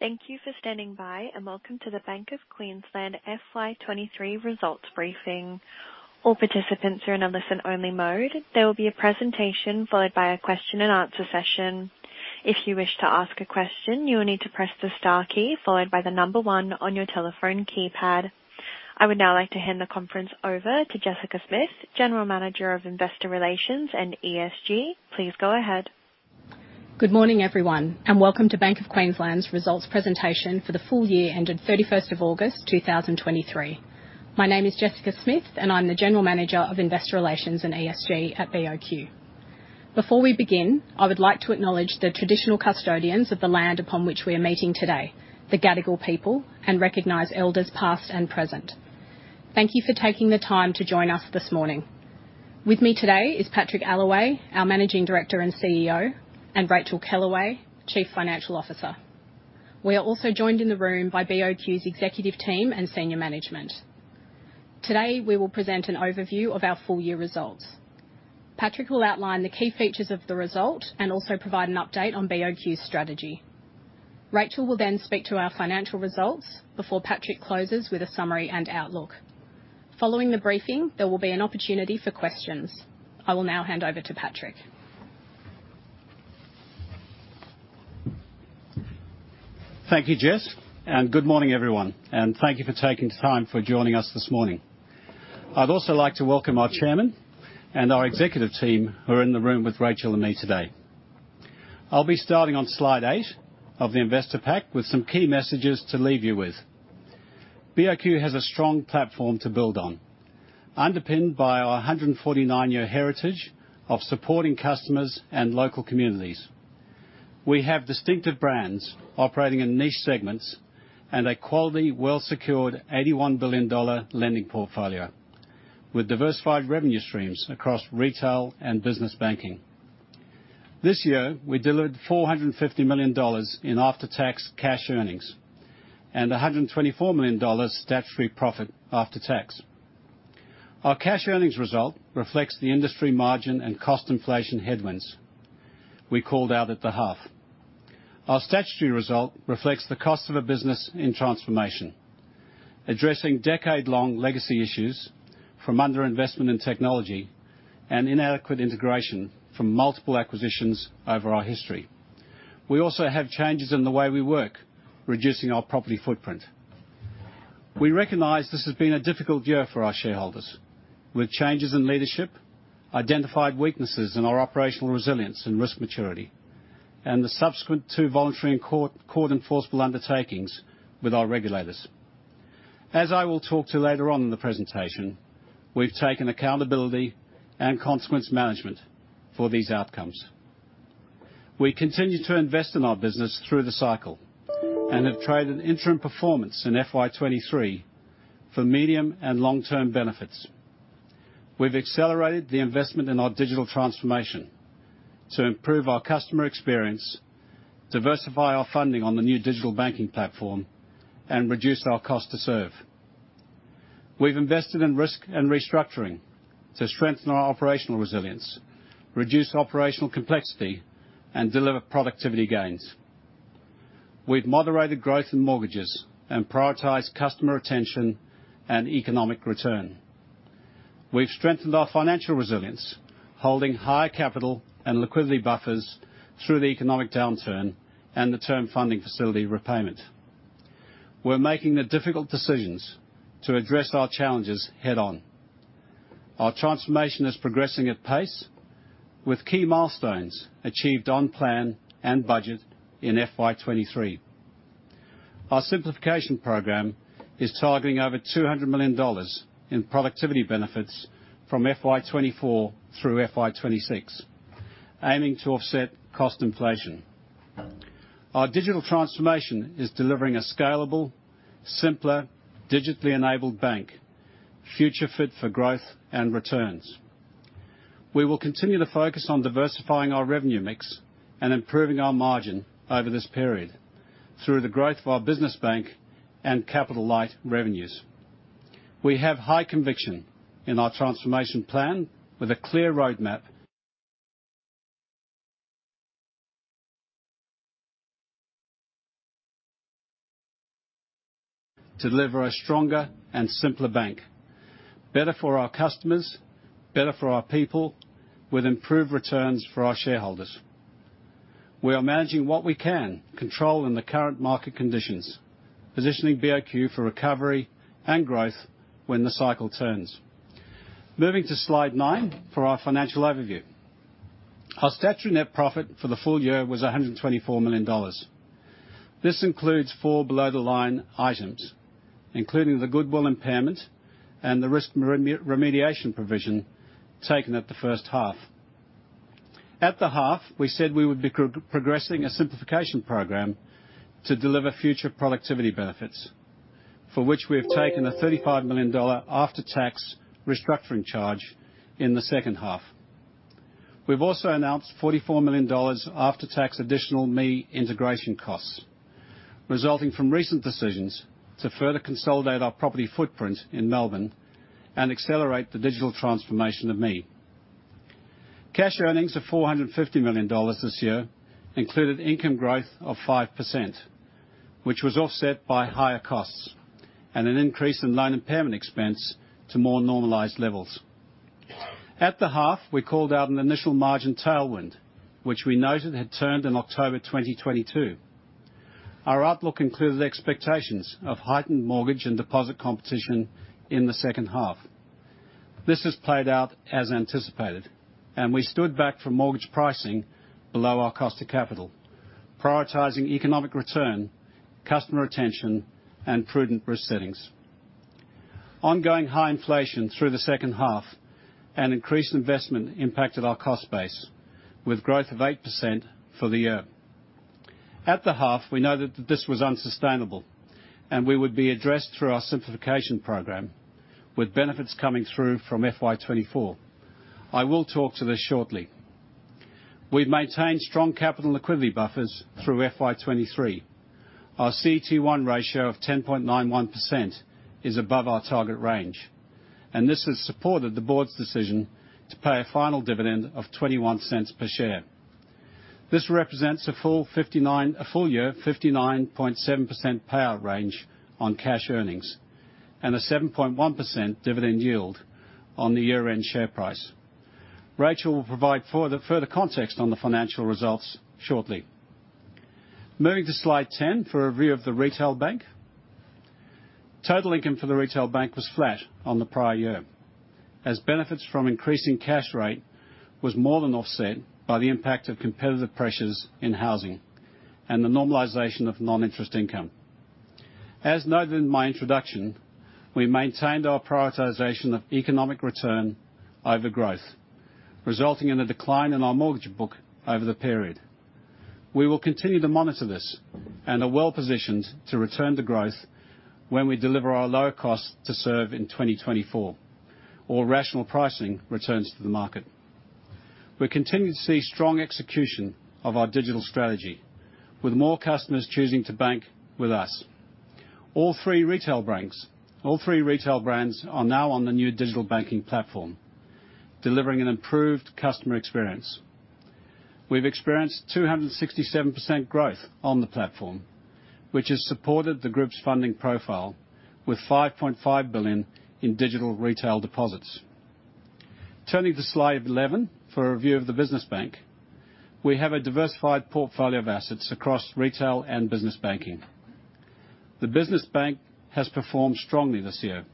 Thank you for standing by, and welcome to the Bank of Queensland FY 2023 results briefing. All participants are in a listen-only mode. There will be a presentation, followed by a question and answer session. If you wish to ask a question, you will need to press the star key, followed by the number one on your telephone keypad. I would now like to hand the conference over to Jessica Smith, General Manager of Investor Relations and ESG. Please go ahead. Good morning, everyone, and welcome to Bank of Queensland's results presentation for the full year ended 31st of August 2023. My name is Jessica Smith, and I'm the General Manager of Investor Relations and ESG at BOQ. Before we begin, I would like to acknowledge the traditional custodians of the land upon which we are meeting today, the Gadigal people, and recognize elders, past and present. Thank you for taking the time to join us this morning. With me today is Patrick Allaway, our Managing Director and CEO, and Rachael Kellaway, Chief Financial Officer. We are also joined in the room by BOQ's executive team and senior management. Today, we will present an overview of our full-year results. Patrick will outline the key features of the result and also provide an update on BOQ's strategy. Rachael will then speak to our financial results before Patrick closes with a summary and outlook. Following the briefing, there will be an opportunity for questions. I will now hand over to Patrick. Thank you, Jess, and good morning, everyone, and thank you for taking the time for joining us this morning. I'd also like to welcome our chairman and our executive team, who are in the room with Rachael and me today. I'll be starting on slide 8 of the investor pack with some key messages to leave you with. BOQ has a strong platform to build on, underpinned by our 149-year heritage of supporting customers and local communities. We have distinctive brands operating in niche segments and a quality, well-secured 81 billion dollar lending portfolio with diversified revenue streams across retail and business banking. This year, we delivered 450 million dollars in after-tax cash earnings and 124 million dollars statutory profit after tax. Our cash earnings result reflects the industry margin and cost inflation headwinds we called out at the half. Our statutory result reflects the cost of a business in transformation, addressing decade-long legacy issues from underinvestment in technology and inadequate integration from multiple acquisitions over our history. We also have changes in the way we work, reducing our property footprint. We recognize this has been a difficult year for our shareholders, with changes in leadership, identified weaknesses in our operational resilience and risk maturity, and the subsequent two voluntary and court-enforceable undertakings with our regulators. As I will talk to later on in the presentation, we've taken accountability and consequence management for these outcomes. We continue to invest in our business through the cycle and have traded interim performance in FY 2023 for medium- and long-term benefits. We've accelerated the investment in our digital transformation to improve our customer experience, diversify our funding on the new digital banking platform, and reduce our cost to serve. We've invested in risk and restructuring to strengthen our operational resilience, reduce operational complexity, and deliver productivity gains. We've moderated growth in mortgages and prioritized customer retention and economic return. We've strengthened our financial resilience, holding higher capital and liquidity buffers through the economic downturn and the term funding facility repayment. We're making the difficult decisions to address our challenges head-on. Our transformation is progressing at pace, with key milestones achieved on plan and budget in FY 2023. Our simplification program is targeting over 200 million dollars in productivity benefits from FY 2024 through FY 2026, aiming to offset cost inflation. Our digital transformation is delivering a scalable, simpler, digitally enabled bank, future-fit for growth and returns. We will continue to focus on diversifying our revenue mix and improving our margin over this period through the growth of our business bank and capital light revenues. We have high conviction in our transformation plan with a clear roadmap to deliver a stronger and simpler bank, better for our customers, better for our people, with improved returns for our shareholders. We are managing what we can control in the current market conditions, positioning BOQ for recovery and growth when the cycle turns. Moving to slide 9 for our financial overview. Our statutory net profit for the full year was 124 million dollars. This includes 4 below-the-line items, including the goodwill impairment and the risk remediation provision taken at the first half. At the half, we said we would be progressing a simplification program to deliver future productivity benefits, for which we have taken a 35 million dollar after-tax restructuring charge in the second half. We've also announced 44 million dollars after-tax additional me integration costs, resulting from recent decisions to further consolidate our property footprint in Melbourne and accelerate the digital transformation of me. Cash earnings of 450 million dollars this year included income growth of 5%, which was offset by higher costs and an increase in loan impairment expense to more normalized levels. At the half, we called out an initial margin tailwind, which we noted had turned in October 2022. Our outlook included expectations of heightened mortgage and deposit competition in the second half. This has played out as anticipated, and we stood back from mortgage pricing below our cost of capital, prioritizing economic return, customer retention, and prudent risk settings. Ongoing high inflation through the second half and increased investment impacted our cost base with growth of 8% for the year. At the half, we noted that this was unsustainable and we would be addressed through our simplification program, with benefits coming through from FY 2024. I will talk to this shortly. We've maintained strong capital and liquidity buffers through FY 2023. Our CET1 ratio of 10.91% is above our target range, and this has supported the board's decision to pay a final dividend of 0.21 per share. This represents a full 59-- a full year, 59.7% payout range on cash earnings and a 7.1% dividend yield on the year-end share price. Rachel will provide further, further context on the financial results shortly. Moving to Slide 10 for a review of the retail bank. Total income for the retail bank was flat on the prior year, as benefits from increasing cash rate was more than offset by the impact of competitive pressures in housing and the normalization of non-interest income. As noted in my introduction, we maintained our prioritization of economic return over growth, resulting in a decline in our mortgage book over the period. We will continue to monitor this and are well positioned to return to growth when we deliver our lower cost to serve in 2024, or rational pricing returns to the market. We're continuing to see strong execution of our digital strategy, with more customers choosing to bank with us. All three retail brands are now on the new digital banking platform, delivering an improved customer experience. We've experienced 267% growth on the platform, which has supported the group's funding profile with 5.5 billion in digital retail deposits. Turning to Slide 11 for a review of the business bank. We have a diversified portfolio of assets across retail and business banking. The business bank has performed strongly this year,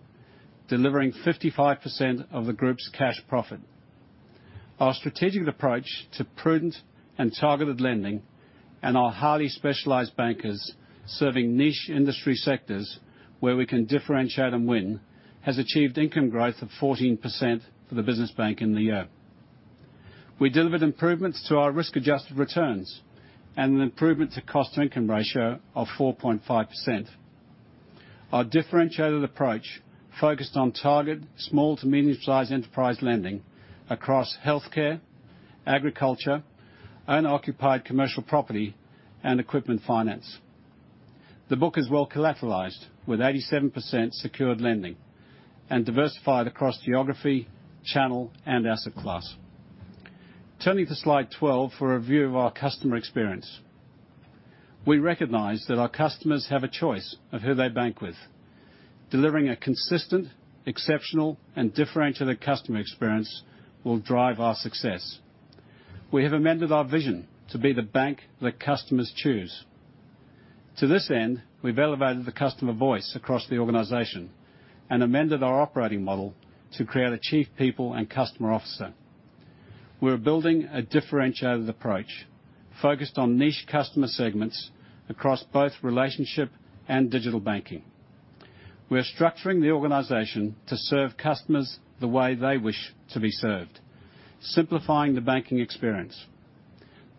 delivering 55% of the group's cash profit. Our strategic approach to prudent and targeted lending, and our highly specialized bankers serving niche industry sectors where we can differentiate and win, has achieved income growth of 14% for the business bank in the year. We delivered improvements to our risk-adjusted returns and an improvement to cost-to-income ratio of 4.5%. Our differentiated approach focused on target small to medium-sized enterprise lending across healthcare, agriculture, owner-occupied commercial property, and equipment finance. The book is well collateralized, with 87% secured lending, and diversified across geography, channel, and asset class. Turning to Slide 12 for a review of our customer experience. We recognize that our customers have a choice of who they bank with. Delivering a consistent, exceptional, and differentiated customer experience will drive our success. We have amended our vision to be the bank that customers choose. To this end, we've elevated the customer voice across the organization and amended our operating model to create a Chief People and Customer Officer. We're building a differentiated approach focused on niche customer segments across both relationship and digital banking. We are structuring the organization to serve customers the way they wish to be served, simplifying the banking experience.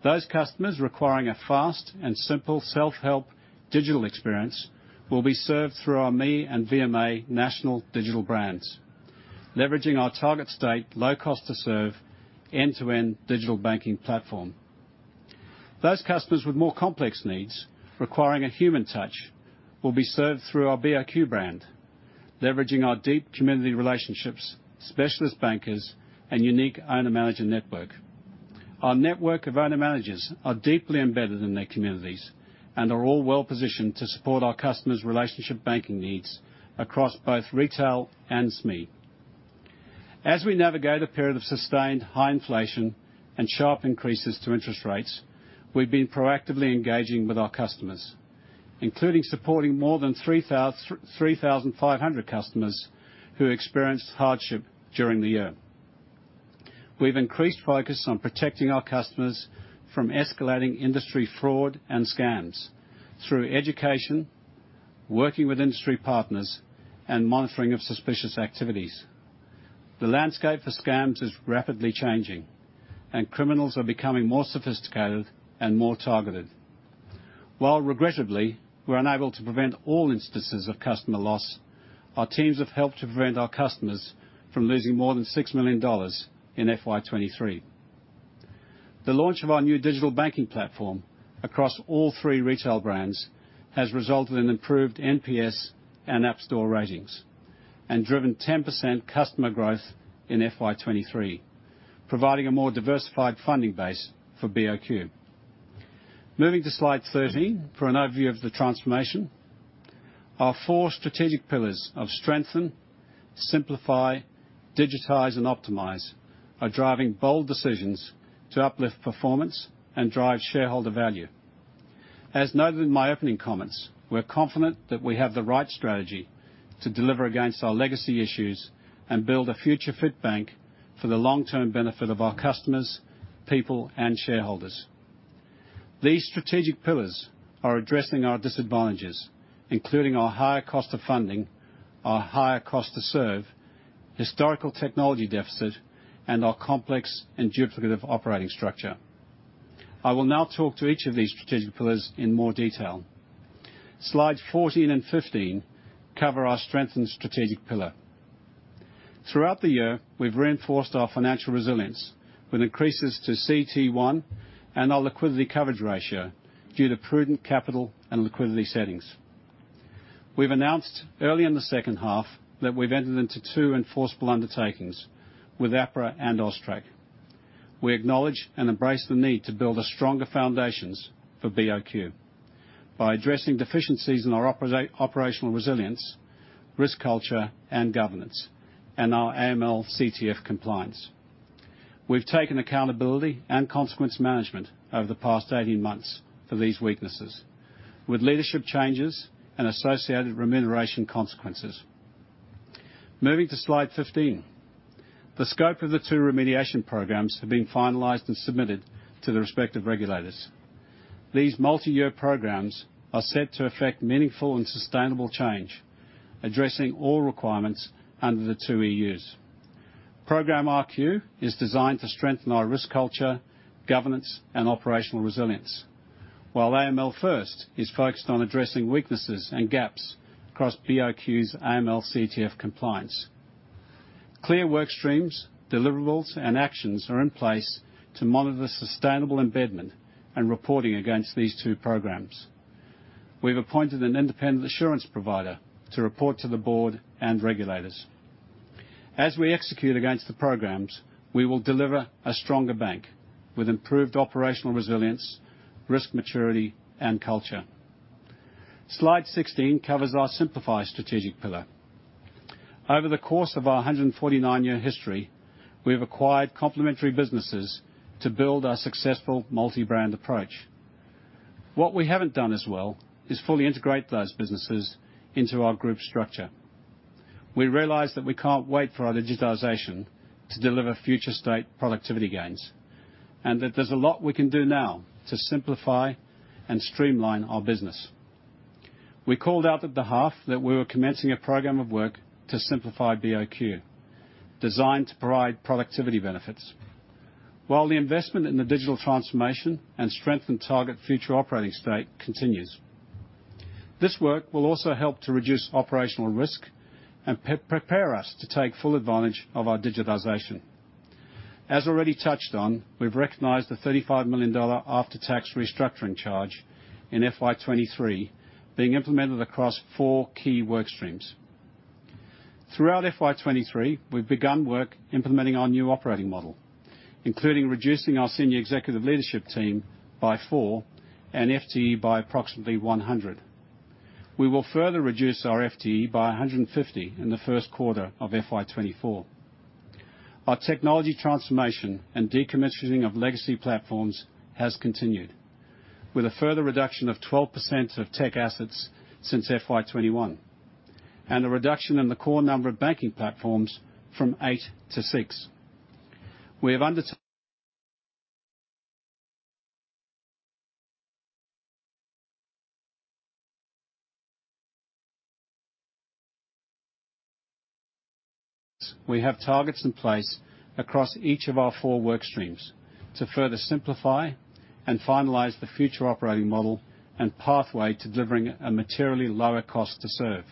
Those customers requiring a fast and simple self-help digital experience will be served through our ME and VMA national digital brands, leveraging our target state, low cost to serve, end-to-end digital banking platform. Those customers with more complex needs, requiring a human touch, will be served through our BOQ brand, leveraging our deep community relationships, specialist bankers, and unique owner-manager network. Our network of owner-managers are deeply embedded in their communities and are all well-positioned to support our customers' relationship banking needs across both retail and SME. As we navigate a period of sustained high inflation and sharp increases to interest rates, we've been proactively engaging with our customers, including supporting more than 3,500 customers who experienced hardship during the year. We've increased focus on protecting our customers from escalating industry fraud and scams through education, working with industry partners, and monitoring of suspicious activities. The landscape for scams is rapidly changing, and criminals are becoming more sophisticated and more targeted. While regrettably, we're unable to prevent all instances of customer loss, our teams have helped to prevent our customers from losing more than 6 million dollars in FY 2023. The launch of our new digital banking platform across all three retail brands has resulted in improved NPS and App Store ratings, and driven 10% customer growth in FY 2023, providing a more diversified funding base for BOQ. Moving to slide 13, for an overview of the transformation. Our four strategic pillars of strengthen, simplify, digitize, and optimize are driving bold decisions to uplift performance and drive shareholder value. As noted in my opening comments, we're confident that we have the right strategy to deliver against our legacy issues and build a future-fit bank for the long-term benefit of our customers, people, and shareholders. These strategic pillars are addressing our disadvantages, including our higher cost of funding, our higher cost to serve, historical technology deficit, and our complex and duplicative operating structure. I will now talk to each of these strategic pillars in more detail. Slide 14 and 15 cover our strength and strategic pillar. Throughout the year, we've reinforced our financial resilience with increases to CET1 and our liquidity coverage ratio due to prudent capital and liquidity settings. We've announced early in the second half that we've entered into two Enforceable Undertakings with APRA and AUSTRAC. We acknowledge and embrace the need to build a stronger foundations for BOQ by addressing deficiencies in our operational resilience, risk culture, and governance, and our AML/CTF compliance. We've taken accountability and consequence management over the past 18 months for these weaknesses, with leadership changes and associated remuneration consequences. Moving to slide 15. The scope of the two remediation programs have been finalized and submitted to the respective regulators. These multi-year programs are set to effect meaningful and sustainable change, addressing all requirements under the two EUs. Program rQ is designed to strengthen our risk culture, governance, and operational resilience, while AML First is focused on addressing weaknesses and gaps across BOQ's AML/CTF compliance. Clear work streams, deliverables, and actions are in place to monitor sustainable embedment and reporting against these two programs. We've appointed an independent assurance provider to report to the board and regulators. As we execute against the programs, we will deliver a stronger bank with improved operational resilience, risk, maturity, and culture. Slide 16 covers our simplified strategic pillar. Over the course of our 149-year history, we have acquired complementary businesses to build our successful multi-brand approach. What we haven't done as well is fully integrate those businesses into our group structure. We realize that we can't wait for our digitization to deliver future state productivity gains, and that there's a lot we can do now to simplify and streamline our business. We called out at the half that we were commencing a program of work to simplify BOQ, designed to provide productivity benefits. While the investment in the digital transformation and strength and target future operating state continues. This work will also help to reduce operational risk and prepare us to take full advantage of our digitization. As already touched on, we've recognized the 35 million dollar after-tax restructuring charge in FY 2023, being implemented across 4 key work streams. Throughout FY 2023, we've begun work implementing our new operating model, including reducing our senior executive leadership team by 4 and FTE by approximately 100. We will further reduce our FTE by 150 in the first quarter of FY 2024. Our technology transformation and decommissioning of legacy platforms has continued with a further reduction of 12% of tech assets since FY 2021, and a reduction in the core number of banking platforms from 8-6. We have targets in place across each of our 4 work streams to further simplify and finalize the future operating model and pathway to delivering a materially lower cost to serve.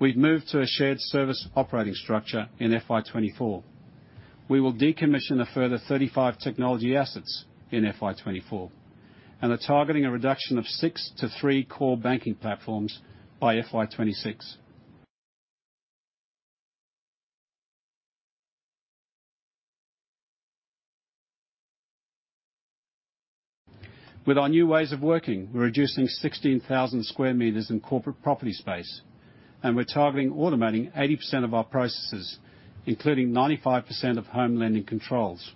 We've moved to a shared service operating structure in FY 2024. We will decommission a further 35 technology assets in FY 2024, and are targeting a reduction of 6-3 core banking platforms by FY 2026. With our new ways of working, we're reducing 16,000 sq m in corporate property space, and we're targeting automating 80% of our processes, including 95% of home lending controls,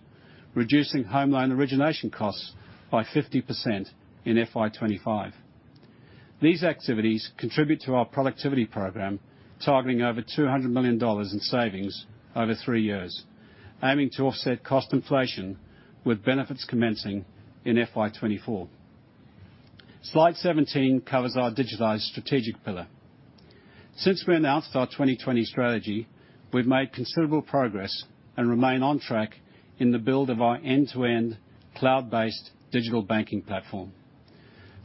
reducing home loan origination costs by 50% in FY 2025. These activities contribute to our productivity program, targeting over 200 million dollars in savings over three years, aiming to offset cost inflation, with benefits commencing in FY 2024. Slide 17 covers our digitized strategic pillar. Since we announced our 2020 strategy, we've made considerable progress and remain on track in the build of our end-to-end, cloud-based digital banking platform....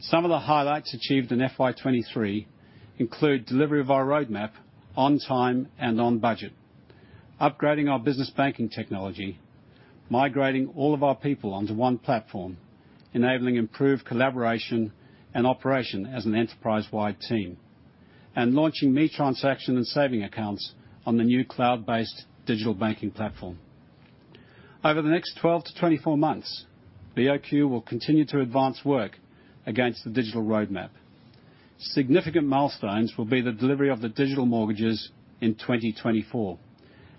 Some of the highlights achieved in FY 2023 include delivery of our roadmap on time and on budget, upgrading our business banking technology, migrating all of our people onto one platform, enabling improved collaboration and operation as an enterprise-wide team, and launching ME transaction and savings accounts on the new cloud-based digital banking platform. Over the next 12 months-24 months, BOQ will continue to advance work against the digital roadmap. Significant milestones will be the delivery of the digital mortgages in 2024,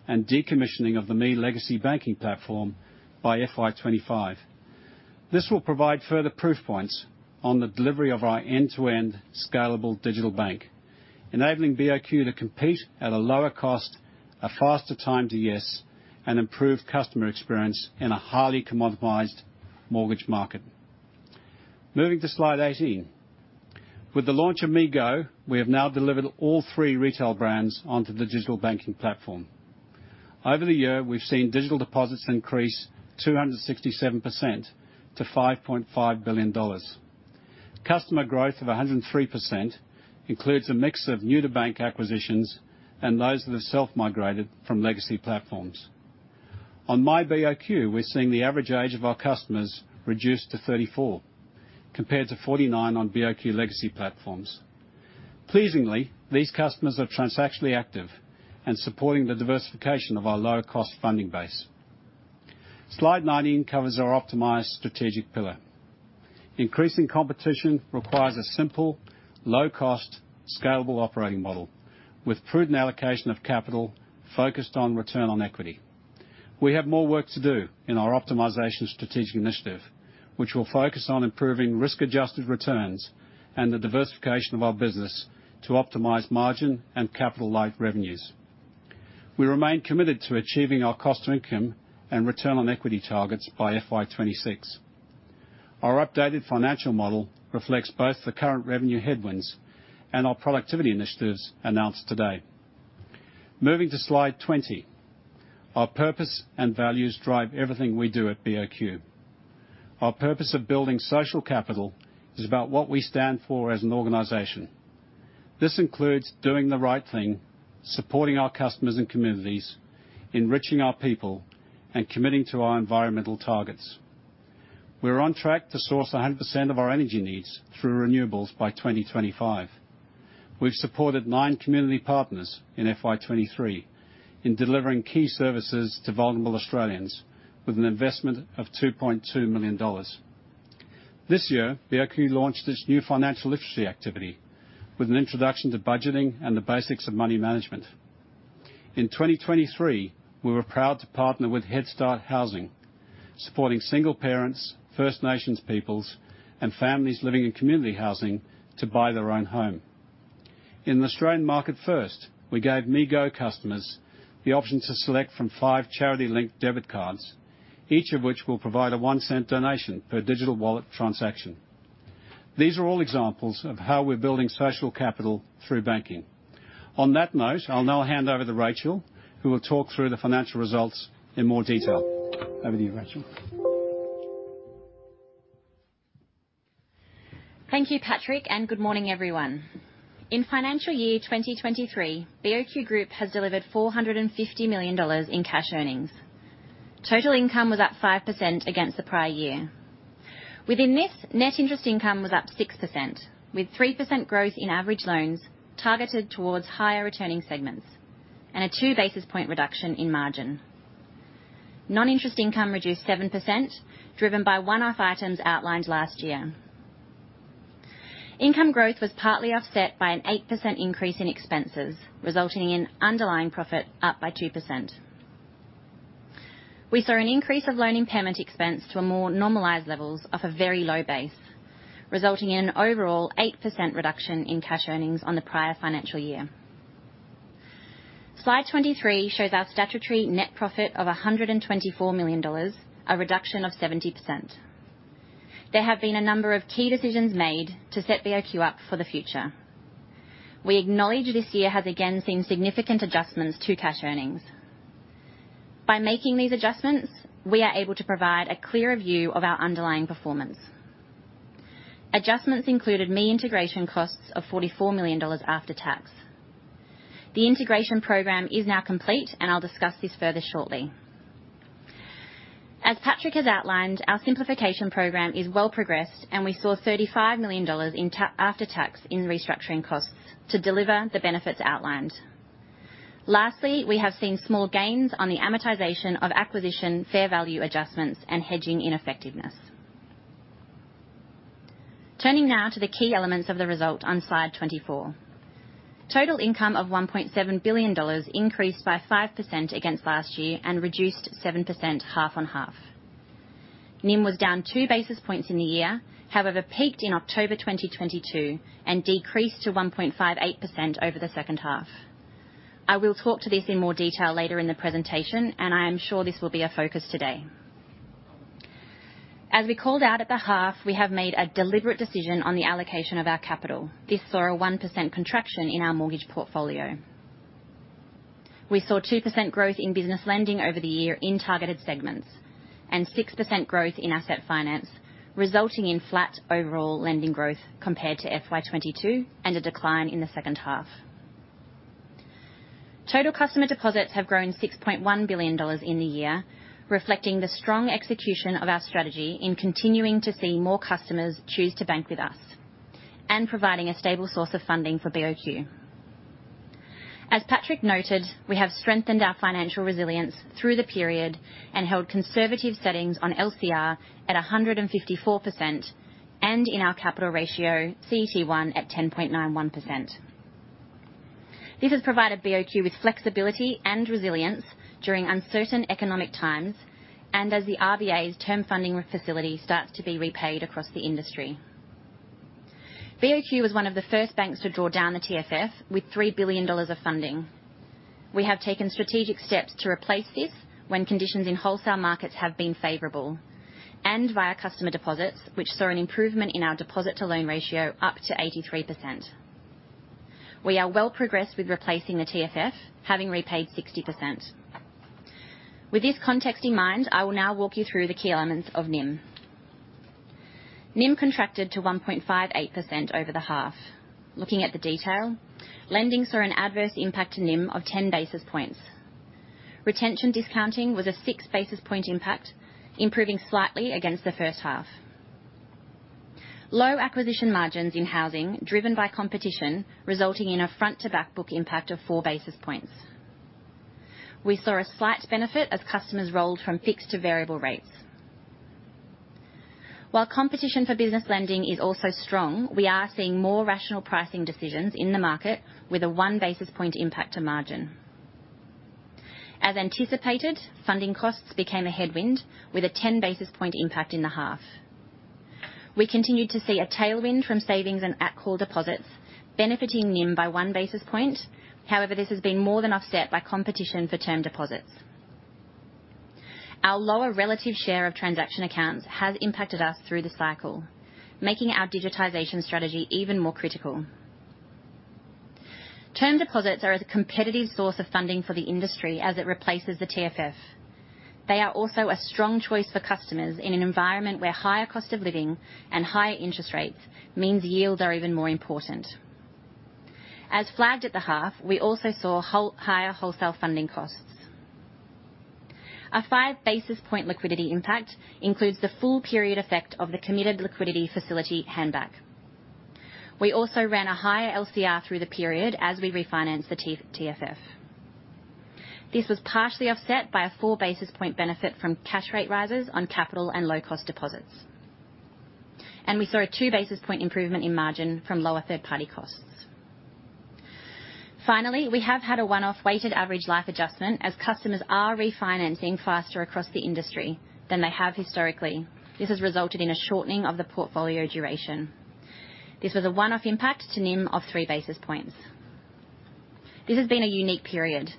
and decommissioning of the ME legacy banking platform by FY 2025. This will provide further proof points on the delivery of our end-to-end scalable digital bank, enabling BOQ to compete at a lower cost, a faster time to yes, and improved customer experience in a highly commoditized mortgage market. Moving to slide 18. With the launch of ME Go, we have now delivered all three retail brands onto the digital banking platform. Over the year, we've seen digital deposits increase 267% to 5.5 billion dollars. Customer growth of 103% includes a mix of new-to-bank acquisitions and those that have self-migrated from legacy platforms. On myBOQ, we're seeing the average age of our customers reduced to 34, compared to 49 on BOQ legacy platforms. Pleasingly, these customers are transactionally active and supporting the diversification of our lower-cost funding base. Slide 19 covers our optimized strategic pillar. Increasing competition requires a simple, low-cost, scalable operating model with prudent allocation of capital focused on return on equity. We have more work to do in our optimization strategic initiative, which will focus on improving risk-adjusted returns and the diversification of our business to optimize margin and capital-light revenues. We remain committed to achieving our cost-to-income and return on equity targets by FY 2026. Our updated financial model reflects both the current revenue headwinds and our productivity initiatives announced today. Moving to slide 20. Our purpose and values drive everything we do at BOQ. Our purpose of building social capital is about what we stand for as an organization. This includes doing the right thing, supporting our customers and communities, enriching our people, and committing to our environmental targets. We're on track to source 100% of our energy needs through renewables by 2025. We've supported nine community partners in FY 2023 in delivering key services to vulnerable Australians, with an investment of 2.2 million dollars. This year, BOQ launched its new financial literacy activity with an introduction to budgeting and the basics of money management. In 2023, we were proud to partner with Head Start Housing, supporting single parents, First Nations peoples, and families living in community housing to buy their own home. In an Australian market first, we gave me Go customers the option to select from five charity-linked debit cards, each of which will provide a 0.01 donation per digital wallet transaction. These are all examples of how we're building social capital through banking. On that note, I'll now hand over to Rachael, who will talk through the financial results in more detail. Over to you, Rachael. Thank you, Patrick, and good morning, everyone. In financial year 2023, BOQ Group has delivered 450 million dollars in cash earnings. Total income was up 5% against the prior year. Within this, net interest income was up 6%, with 3% growth in average loans targeted towards higher-returning segments and a 2 basis point reduction in margin. Non-interest income reduced 7%, driven by one-off items outlined last year. Income growth was partly offset by an 8% increase in expenses, resulting in underlying profit up by 2%. We saw an increase of loan impairment expense to a more normalized levels off a very low base, resulting in an overall 8% reduction in cash earnings on the prior financial year. Slide 23 shows our statutory net profit of 124 million dollars, a reduction of 70%. There have been a number of key decisions made to set BOQ up for the future. We acknowledge this year has again seen significant adjustments to cash earnings. By making these adjustments, we are able to provide a clearer view of our underlying performance. Adjustments included ME integration costs of 44 million dollars after tax. The integration program is now complete, and I'll discuss this further shortly. As Patrick has outlined, our simplification program is well progressed, and we saw 35 million dollars after tax in restructuring costs to deliver the benefits outlined. Lastly, we have seen small gains on the amortization of acquisition, fair value adjustments, and hedging ineffectiveness. Turning now to the key elements of the result on slide 24. Total income of 1.7 billion dollars increased by 5% against last year and reduced 7% half-on-half. NIM was down 2 basis points in the year, however, peaked in October 2022 and decreased to 1.58% over the second half. I will talk to this in more detail later in the presentation, and I am sure this will be a focus today. As we called out at the half, we have made a deliberate decision on the allocation of our capital. This saw a 1% contraction in our mortgage portfolio.... We saw 2% growth in business lending over the year in targeted segments, and 6% growth in asset finance, resulting in flat overall lending growth compared to FY 2022, and a decline in the second half. Total customer deposits have grown 6.1 billion dollars in the year, reflecting the strong execution of our strategy in continuing to see more customers choose to bank with us and providing a stable source of funding for BOQ. As Patrick noted, we have strengthened our financial resilience through the period and held conservative settings on LCR at 154%, and in our capital ratio, CET1, at 10.91%. This has provided BOQ with flexibility and resilience during uncertain economic times, and as the RBA's term funding facility starts to be repaid across the industry. BOQ was one of the first banks to draw down the TFF with 3 billion dollars of funding. We have taken strategic steps to replace this when conditions in wholesale markets have been favorable, and via customer deposits, which saw an improvement in our deposit-to-loan ratio up to 83%. We are well progressed with replacing the TFF, having repaid 60%. With this context in mind, I will now walk you through the key elements of NIM. NIM contracted to 1.58% over the half. Looking at the detail, lending saw an adverse impact to NIM of 10 basis points. Retention discounting was a 6 basis point impact, improving slightly against the first half. Low acquisition margins in housing, driven by competition, resulting in a front-to-back book impact of 4 basis points. We saw a slight benefit as customers rolled from fixed to variable rates. While competition for business lending is also strong, we are seeing more rational pricing decisions in the market with a one basis point impact to margin. As anticipated, funding costs became a headwind, with a 10 basis point impact in the half. We continued to see a tailwind from savings and at-call deposits, benefiting NIM by one basis point. However, this has been more than offset by competition for term deposits. Our lower relative share of transaction accounts has impacted us through the cycle, making our digitization strategy even more critical. Term deposits are a competitive source of funding for the industry as it replaces the TFF. They are also a strong choice for customers in an environment where higher cost of living and higher interest rates means yields are even more important. As flagged at the half, we also saw higher wholesale funding costs. A 5 basis point liquidity impact includes the full period effect of the committed liquidity facility hand-back. We also ran a higher LCR through the period as we refinanced the TFF. This was partially offset by a 4 basis point benefit from cash rate rises on capital and low-cost deposits. We saw a 2 basis point improvement in margin from lower third-party costs. Finally, we have had a one-off weighted average life adjustment as customers are refinancing faster across the industry than they have historically. This has resulted in a shortening of the portfolio duration. This was a one-off impact to NIM of 3 basis points. This has been a unique period.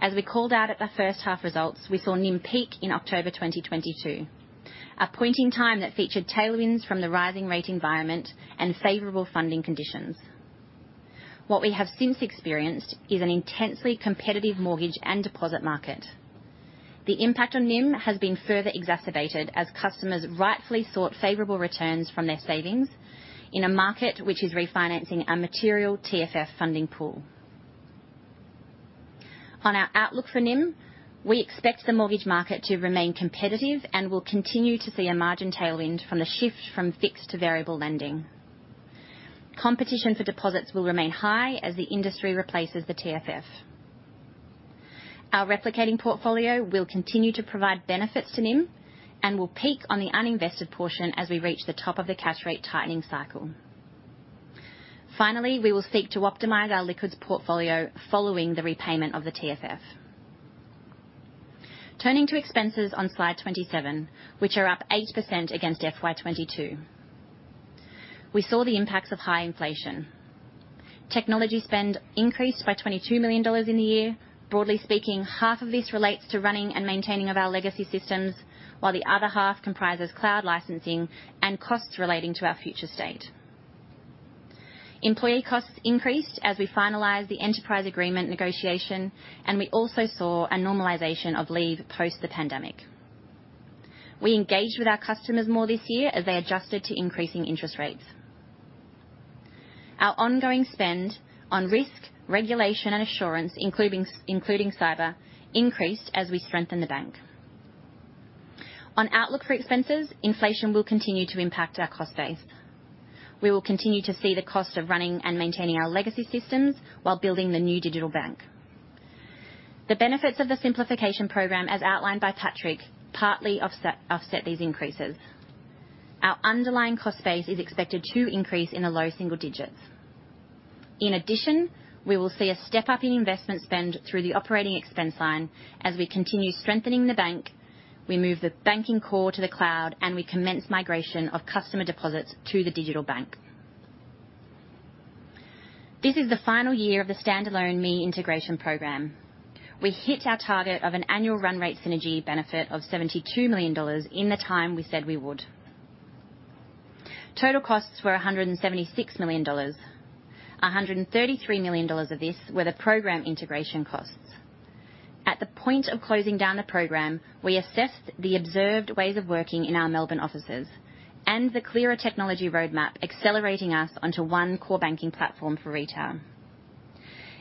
As we called out at the first half results, we saw NIM peak in October 2022, a point in time that featured tailwinds from the rising rate environment and favorable funding conditions. What we have since experienced is an intensely competitive mortgage and deposit market. The impact on NIM has been further exacerbated as customers rightfully sought favorable returns from their savings in a market which is refinancing a material TFF funding pool. On our outlook for NIM, we expect the mortgage market to remain competitive and will continue to see a margin tailwind from the shift from fixed to variable lending. Competition for deposits will remain high as the industry replaces the TFF. Our replicating portfolio will continue to provide benefits to NIM and will peak on the uninvested portion as we reach the top of the cash rate tightening cycle. Finally, we will seek to optimize our liquids portfolio following the repayment of the TFF. Turning to expenses on slide 27, which are up 8% against FY 2022. We saw the impacts of high inflation. Technology spend increased by 22 million dollars in the year. Broadly speaking, half of this relates to running and maintaining of our legacy systems, while the other half comprises cloud licensing and costs relating to our future state. Employee costs increased as we finalized the enterprise agreement negotiation, and we also saw a normalization of leave post the pandemic. We engaged with our customers more this year as they adjusted to increasing interest rates. Our ongoing spend on risk, regulation, and assurance, including cyber, increased as we strengthened the bank. On outlook for expenses, inflation will continue to impact our cost base. We will continue to see the cost of running and maintaining our legacy systems while building the new digital bank. The benefits of the simplification program, as outlined by Patrick, partly offset these increases. Our underlying cost base is expected to increase in the low single digits. In addition, we will see a step-up in investment spend through the operating expense line as we continue strengthening the bank, we move the banking core to the cloud, and we commence migration of customer deposits to the digital bank. This is the final year of the standalone ME integration program. We hit our target of an annual run rate synergy benefit of AUD 72 million in the time we said we would.... Total costs were AUD 176 million. AUD 133 million of this were the program integration costs. At the point of closing down the program, we assessed the observed ways of working in our Melbourne offices and the clearer technology roadmap accelerating us onto one core banking platform for retail.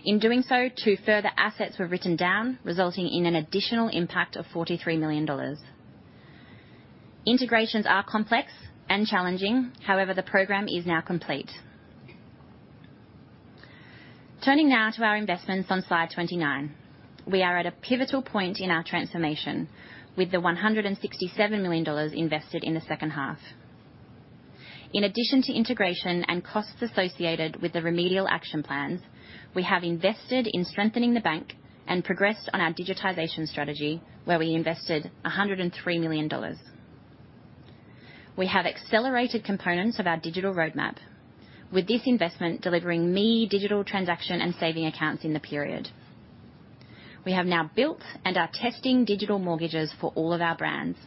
In doing so, two further assets were written down, resulting in an additional impact of 43 million dollars. Integrations are complex and challenging, however, the program is now complete. Turning now to our investments on slide 29. We are at a pivotal point in our transformation, with the 167 million dollars invested in the second half. In addition to integration and costs associated with the remedial action plans, we have invested in strengthening the bank and progressed on our digitization strategy, where we invested 103 million dollars. We have accelerated components of our digital roadmap, with this investment delivering me digital transaction and saving accounts in the period. We have now built and are testing digital mortgages for all of our brands,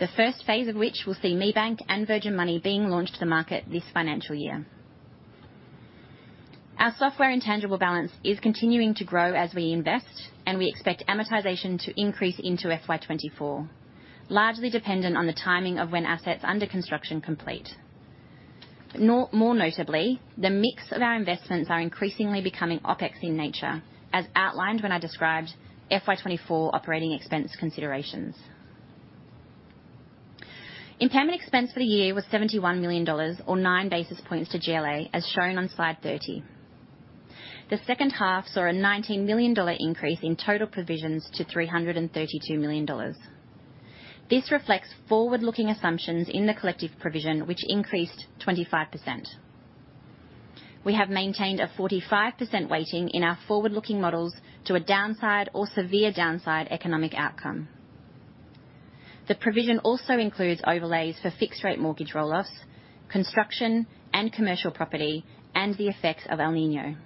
the first phase of which will see ME Bank and Virgin Money being launched to the market this financial year. Our software intangible balance is continuing to grow as we invest, and we expect amortization to increase into FY 2024, largely dependent on the timing of when assets under construction complete. More notably, the mix of our investments are increasingly becoming OpEx in nature, as outlined when I described FY 2024 operating expense considerations. Impairment expense for the year was 71 million dollars, or 9 basis points to GLA, as shown on Slide 30. The second half saw a 19 million dollar increase in total provisions to 332 million dollars. This reflects forward-looking assumptions in the collective provision, which increased 25%. We have maintained a 45% weighting in our forward-looking models to a downside or severe downside economic outcome. The provision also includes overlays for fixed rate mortgage roll-offs, construction and commercial property, and the effects of El Niño.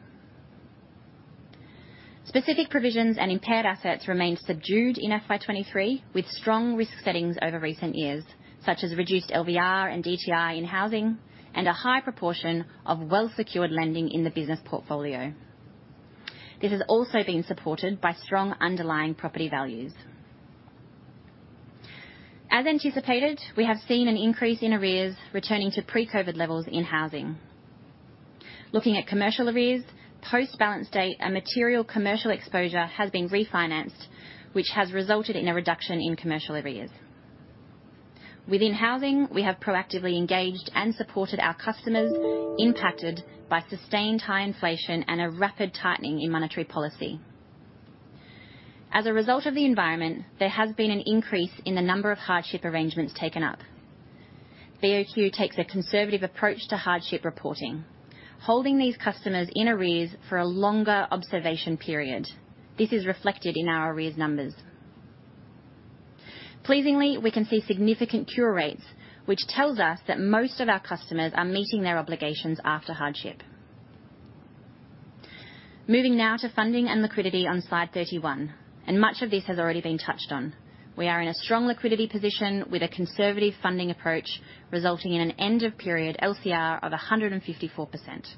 Specific provisions and impaired assets remained subdued in FY 2023, with strong risk settings over recent years, such as reduced LVR and DTI in housing and a high proportion of well-secured lending in the business portfolio. This has also been supported by strong underlying property values. As anticipated, we have seen an increase in arrears returning to pre-COVID levels in housing. Looking at commercial arrears, post-balance date, a material commercial exposure has been refinanced, which has resulted in a reduction in commercial arrears. Within housing, we have proactively engaged and supported our customers impacted by sustained high inflation and a rapid tightening in monetary policy. As a result of the environment, there has been an increase in the number of hardship arrangements taken up. BOQ takes a conservative approach to hardship reporting, holding these customers in arrears for a longer observation period. This is reflected in our arrears numbers. Pleasingly, we can see significant cure rates, which tells us that most of our customers are meeting their obligations after hardship. Moving now to funding and liquidity on slide 31, and much of this has already been touched on. We are in a strong liquidity position with a conservative funding approach, resulting in an end of period LCR of 154%.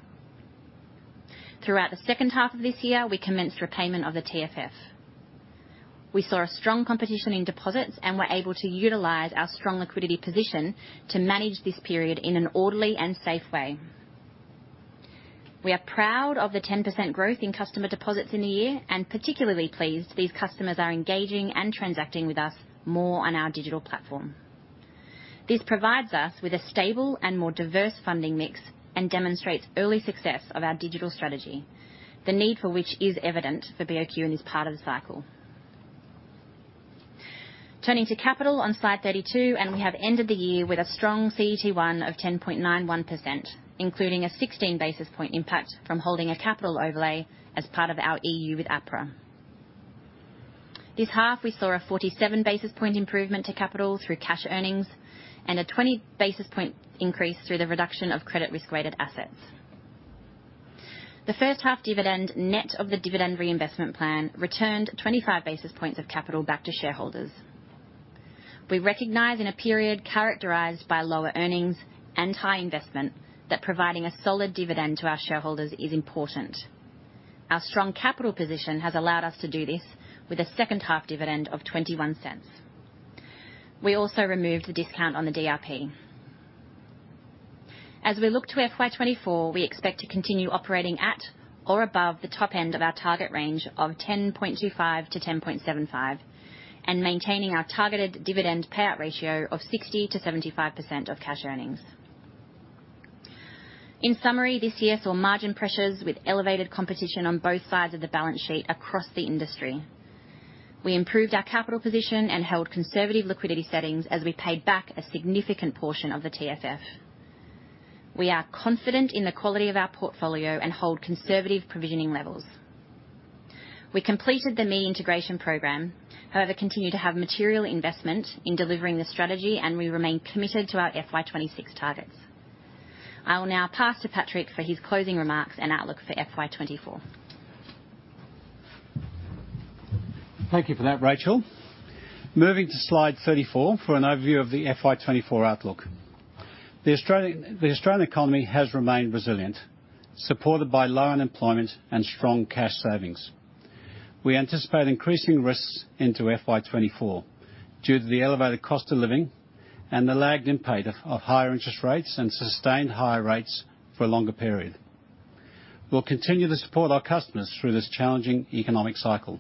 Throughout the second half of this year, we commenced repayment of the TFF. We saw a strong competition in deposits and were able to utilize our strong liquidity position to manage this period in an orderly and safe way. We are proud of the 10% growth in customer deposits in the year, and particularly pleased these customers are engaging and transacting with us more on our digital platform. This provides us with a stable and more diverse funding mix and demonstrates early success of our digital strategy, the need for which is evident for BOQ in this part of the cycle. Turning to capital on slide 32, and we have ended the year with a strong CET1 of 10.91%, including a 16 basis point impact from holding a capital overlay as part of our EU with APRA. This half, we saw a 47 basis point improvement to capital through cash earnings and a 20 basis point increase through the reduction of credit risk-weighted assets. The first half dividend, net of the dividend reinvestment plan, returned 25 basis points of capital back to shareholders. We recognize in a period characterized by lower earnings and high investment, that providing a solid dividend to our shareholders is important. Our strong capital position has allowed us to do this with a second half dividend of 0.21. We also removed the discount on the DRP. As we look to FY 2024, we expect to continue operating at or above the top end of our target range of 10.25%-10.75%, and maintaining our targeted dividend payout ratio of 60%-75% of cash earnings. In summary, this year saw margin pressures with elevated competition on both sides of the balance sheet across the industry. We improved our capital position and held conservative liquidity settings as we paid back a significant portion of the TFF. We are confident in the quality of our portfolio and hold conservative provisioning levels. We completed the ME integration program, however, continue to have material investment in delivering the strategy, and we remain committed to our FY 2026 targets. I will now pass to Patrick for his closing remarks and outlook for FY 2024. Thank you for that, Rachael. Moving to slide 34 for an overview of the FY 2024 outlook. The Australian economy has remained resilient, supported by low unemployment and strong cash savings. We anticipate increasing risks into FY 2024 due to the elevated cost of living and the lagged impact of higher interest rates and sustained higher rates for a longer period. We'll continue to support our customers through this challenging economic cycle.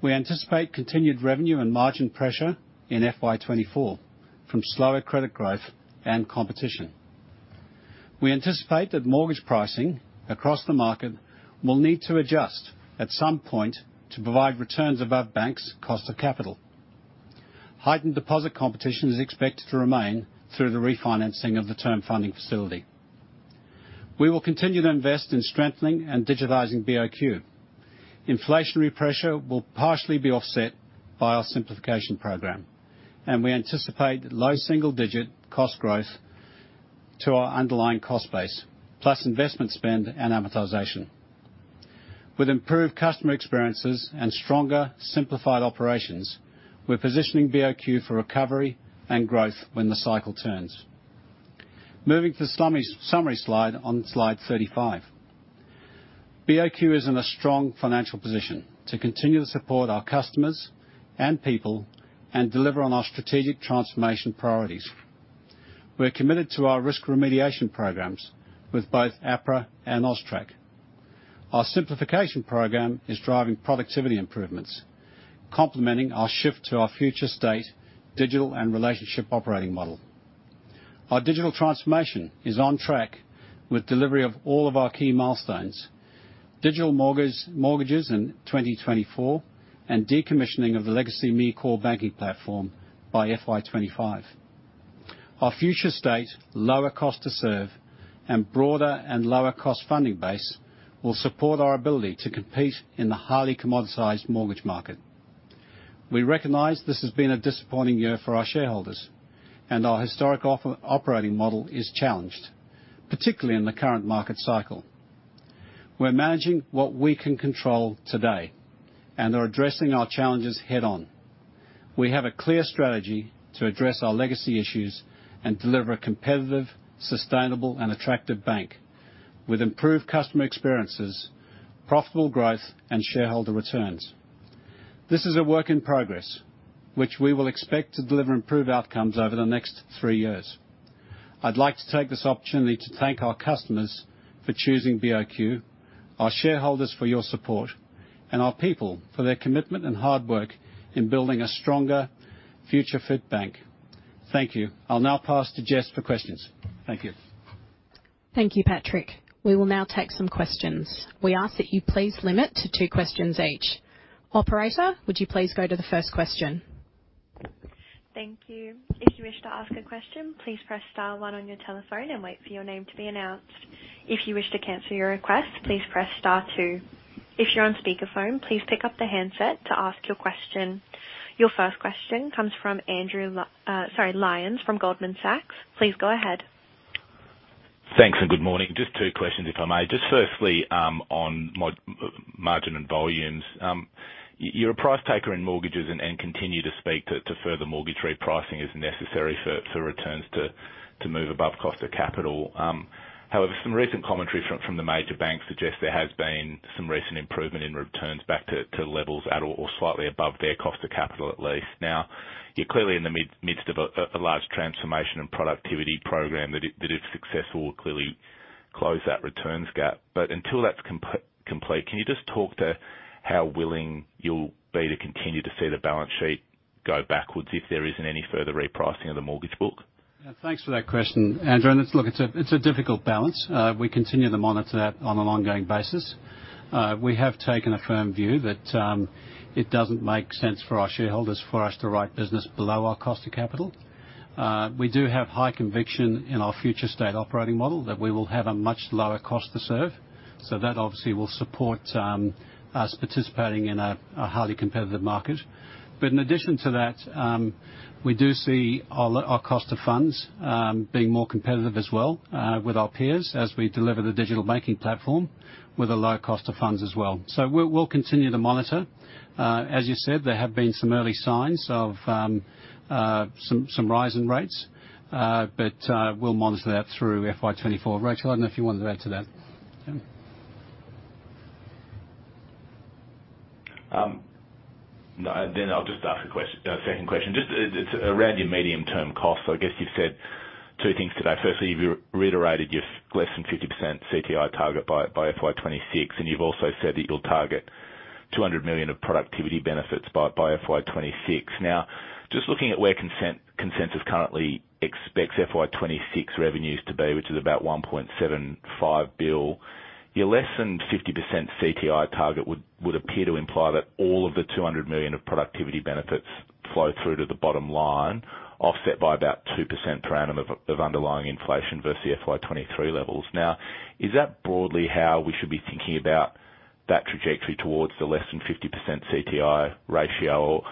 We anticipate continued revenue and margin pressure in FY 2024 from slower credit growth and competition. We anticipate that mortgage pricing across the market will need to adjust at some point to provide returns above banks' cost of capital. Heightened deposit competition is expected to remain through the refinancing of the term funding facility. We will continue to invest in strengthening and digitizing BOQ. Inflationary pressure will partially be offset by our simplification program, and we anticipate low single-digit cost growth to our underlying cost base, plus investment spend and amortization. With improved customer experiences and stronger, simplified operations, we're positioning BOQ for recovery and growth when the cycle turns. Moving to the summary slide on slide 35. BOQ is in a strong financial position to continue to support our customers and people and deliver on our strategic transformation priorities. We're committed to our risk remediation programs with both APRA and AUSTRAC. Our simplification program is driving productivity improvements, complementing our shift to our future state digital and relationship operating model. Our digital transformation is on track with delivery of all of our key milestones, digital mortgage, mortgages in 2024, and decommissioning of the legacy ME core banking platform by FY 2025. Our future state, lower cost to serve, and broader and lower cost funding base will support our ability to compete in the highly commoditized mortgage market. We recognize this has been a disappointing year for our shareholders, and our historic off-operating model is challenged, particularly in the current market cycle. We're managing what we can control today and are addressing our challenges head-on. We have a clear strategy to address our legacy issues and deliver a competitive, sustainable, and attractive bank with improved customer experiences, profitable growth, and shareholder returns. This is a work in progress, which we will expect to deliver improved outcomes over the next three years. I'd like to take this opportunity to thank our customers for choosing BOQ, our shareholders for your support, and our people for their commitment and hard work in building a stronger future-fit bank. Thank you. I'll now pass to Jess for questions. Thank you. Thank you, Patrick. We will now take some questions. We ask that you please limit to two questions each. Operator, would you please go to the first question? Thank you. If you wish to ask a question, please press star one on your telephone and wait for your name to be announced. If you wish to cancel your request, please press star two. If you're on speakerphone, please pick up the handset to ask your question. Your first question comes from Andrew Lyons from Goldman Sachs. Please go ahead. Thanks, and good morning. Just two questions, if I may. Just firstly, on margin and volumes. You're a price taker in mortgages and continue to speak to further mortgage repricing is necessary for returns to move above cost of capital. However, some recent commentary from the major banks suggest there has been some recent improvement in returns back to levels at or slightly above their cost of capital, at least. Now, you're clearly in the midst of a large transformation and productivity program that if successful, will clearly close that returns gap. But until that's complete, can you just talk to how willing you'll be to continue to see the balance sheet go backwards, if there isn't any further repricing of the mortgage book? Thanks for that question, Andrew, and let's look, it's a difficult balance. We continue to monitor that on an ongoing basis. We have taken a firm view that it doesn't make sense for our shareholders, for us to write business below our cost of capital. We do have high conviction in our future state operating model that we will have a much lower cost to serve. So that obviously will support us participating in a highly competitive market. But in addition to that, we do see our cost of funds being more competitive as well with our peers as we deliver the digital banking platform with a low cost of funds as well. So we'll continue to monitor. As you said, there have been some early signs of some rise in rates, but we'll monitor that through FY 2024. Rachael, I don't know if you wanted to add to that? No, then I'll just ask a second question. Just around your medium-term costs. So I guess you've said two things today. Firstly, you've reiterated your less than 50% CTI target by FY 2026, and you've also said that you'll target 200 million of productivity benefits by FY 2026. Now, just looking at where consensus currently expects FY 2026 revenues to be, which is about 1.75 billion, your less than 50% CTI target would appear to imply that all of the 200 million of productivity benefits flow through to the bottom line, offset by about 2% per annum of underlying inflation versus the FY 2023 levels. Now, is that broadly how we should be thinking about that trajectory towards the less than 50% CTI ratio? Or...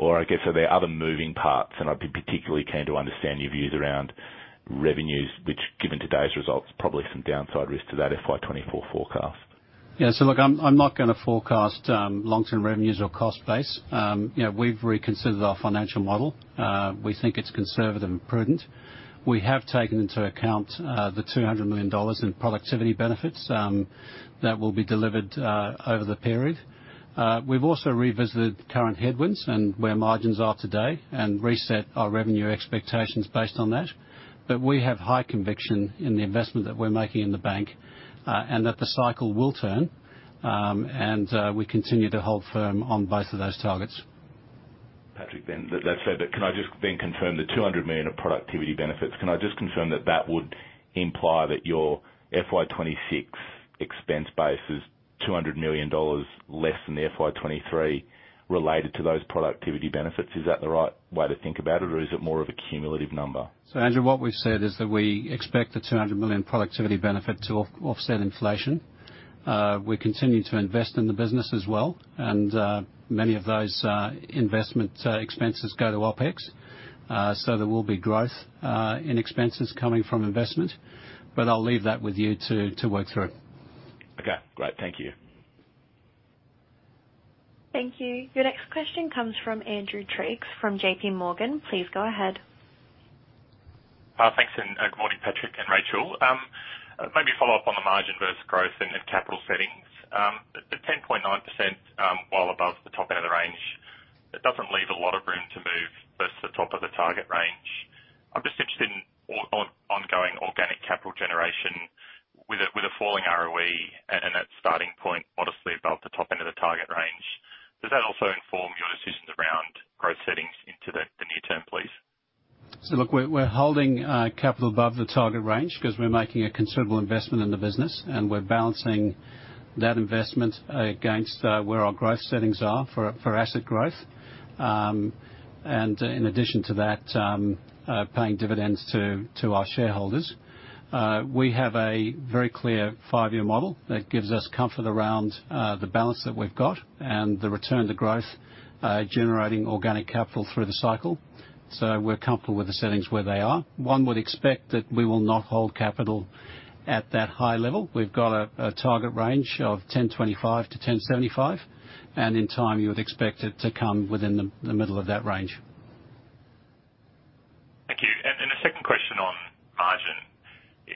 Or, I guess, are there other moving parts? And I'd be particularly keen to understand your views around revenues, which, given today's results, probably some downside risk to that FY24 forecast. Yeah, so look, I'm not going to forecast long-term revenues or cost base. You know, we've reconsidered our financial model. We think it's conservative and prudent. We have taken into account the 200 million dollars in productivity benefits that will be delivered over the period. We've also revisited the current headwinds and where margins are today and reset our revenue expectations based on that. But we have high conviction in the investment that we're making in the bank, and that the cycle will turn. And we continue to hold firm on both of those targets. Patrick, that said, but can I just then confirm the 200 million of productivity benefits? Can I just confirm that that would imply that your FY 2026 expense base is AUD 200 million less than the FY 2023 related to those productivity benefits? Is that the right way to think about it, or is it more of a cumulative number? So, Andrew, what we've said is that we expect the 200 million productivity benefit to offset inflation. We continue to invest in the business as well, and many of those investment expenses go to OpEx. So there will be growth in expenses coming from investment, but I'll leave that with you to work through. Okay, great. Thank you. Thank you. Your next question comes from Andrew Triggs from JP Morgan. Please go ahead. Thanks, and good morning, Patrick and Rachael. Maybe follow up on the margin versus growth and capital settings. The 10.9%, while above the top end of the range, it doesn't leave a lot of room to move versus the top of the target range. I'm just interested in ongoing organic capital generation with a falling ROE and that starting point, modestly above the top end of the target range. Does that also inform your decisions around growth settings into the near term, please? So look, we're holding capital above the target range because we're making a considerable investment in the business, and we're balancing that investment against where our growth settings are for asset growth. And in addition to that, paying dividends to our shareholders. We have a very clear five-year model that gives us comfort around the balance that we've got and the return to growth, generating organic capital through the cycle. So we're comfortable with the settings where they are. One would expect that we will not hold capital at that high level. We've got a target range of 10.25-10.75, and in time, you would expect it to come within the middle of that range. Thank you. And the second question on margin.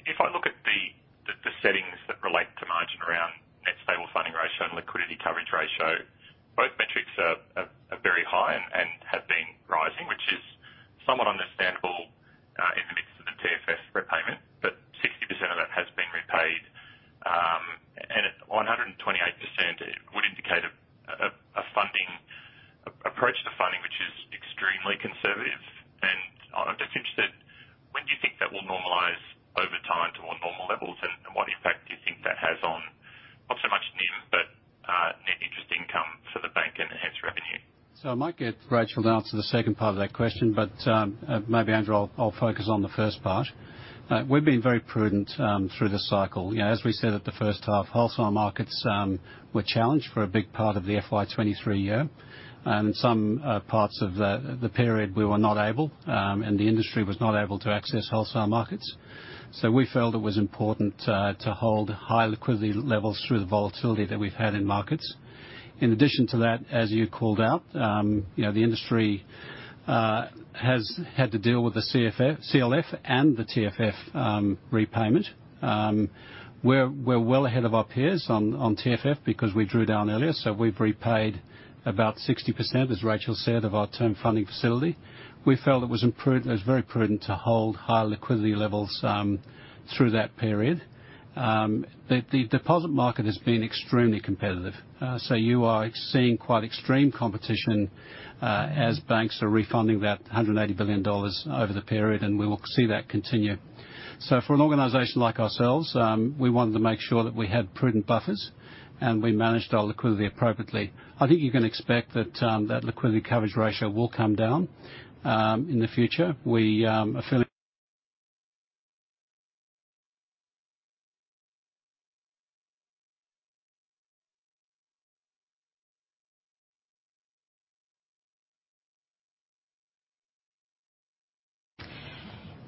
If I look at the settings that relate to margin around net stable funding ratio and liquidity coverage ratio, both metrics are very high and have been rising, which is somewhat understandable in the midst of the TFF repayment, but 60% of that has been repaid. And at 128%, it would indicate a funding approach to funding, which is extremely conservative. And I'm just interested, when do you think that will normalize over time to more normal levels, and what impact do you think that has on, not so much NIM, but net interest income for the bank and hence revenue? So I might get Rachael to answer the second part of that question, but maybe, Andrew, I'll focus on the first part. We've been very prudent through this cycle. You know, as we said at the first half, wholesale markets were challenged for a big part of the FY 2023 year, and some parts of the period we were not able, and the industry was not able to access wholesale markets. So we felt it was important to hold high liquidity levels through the volatility that we've had in markets. In addition to that, as you called out, you know, the industry has had to deal with the CLF and the TFF repayment. We're well ahead of our peers on TFF because we drew down earlier, so we've repaid about 60%, as Rachel said, of our term funding facility. We felt it was imprudent, it was very prudent to hold higher liquidity levels through that period. The deposit market has been extremely competitive, so you are seeing quite extreme competition as banks are refunding that 180 billion dollars over the period, and we will see that continue. So for an organization like ourselves, we wanted to make sure that we had prudent buffers, and we managed our liquidity appropriately. I think you can expect that liquidity coverage ratio will come down in the future. We are feeling-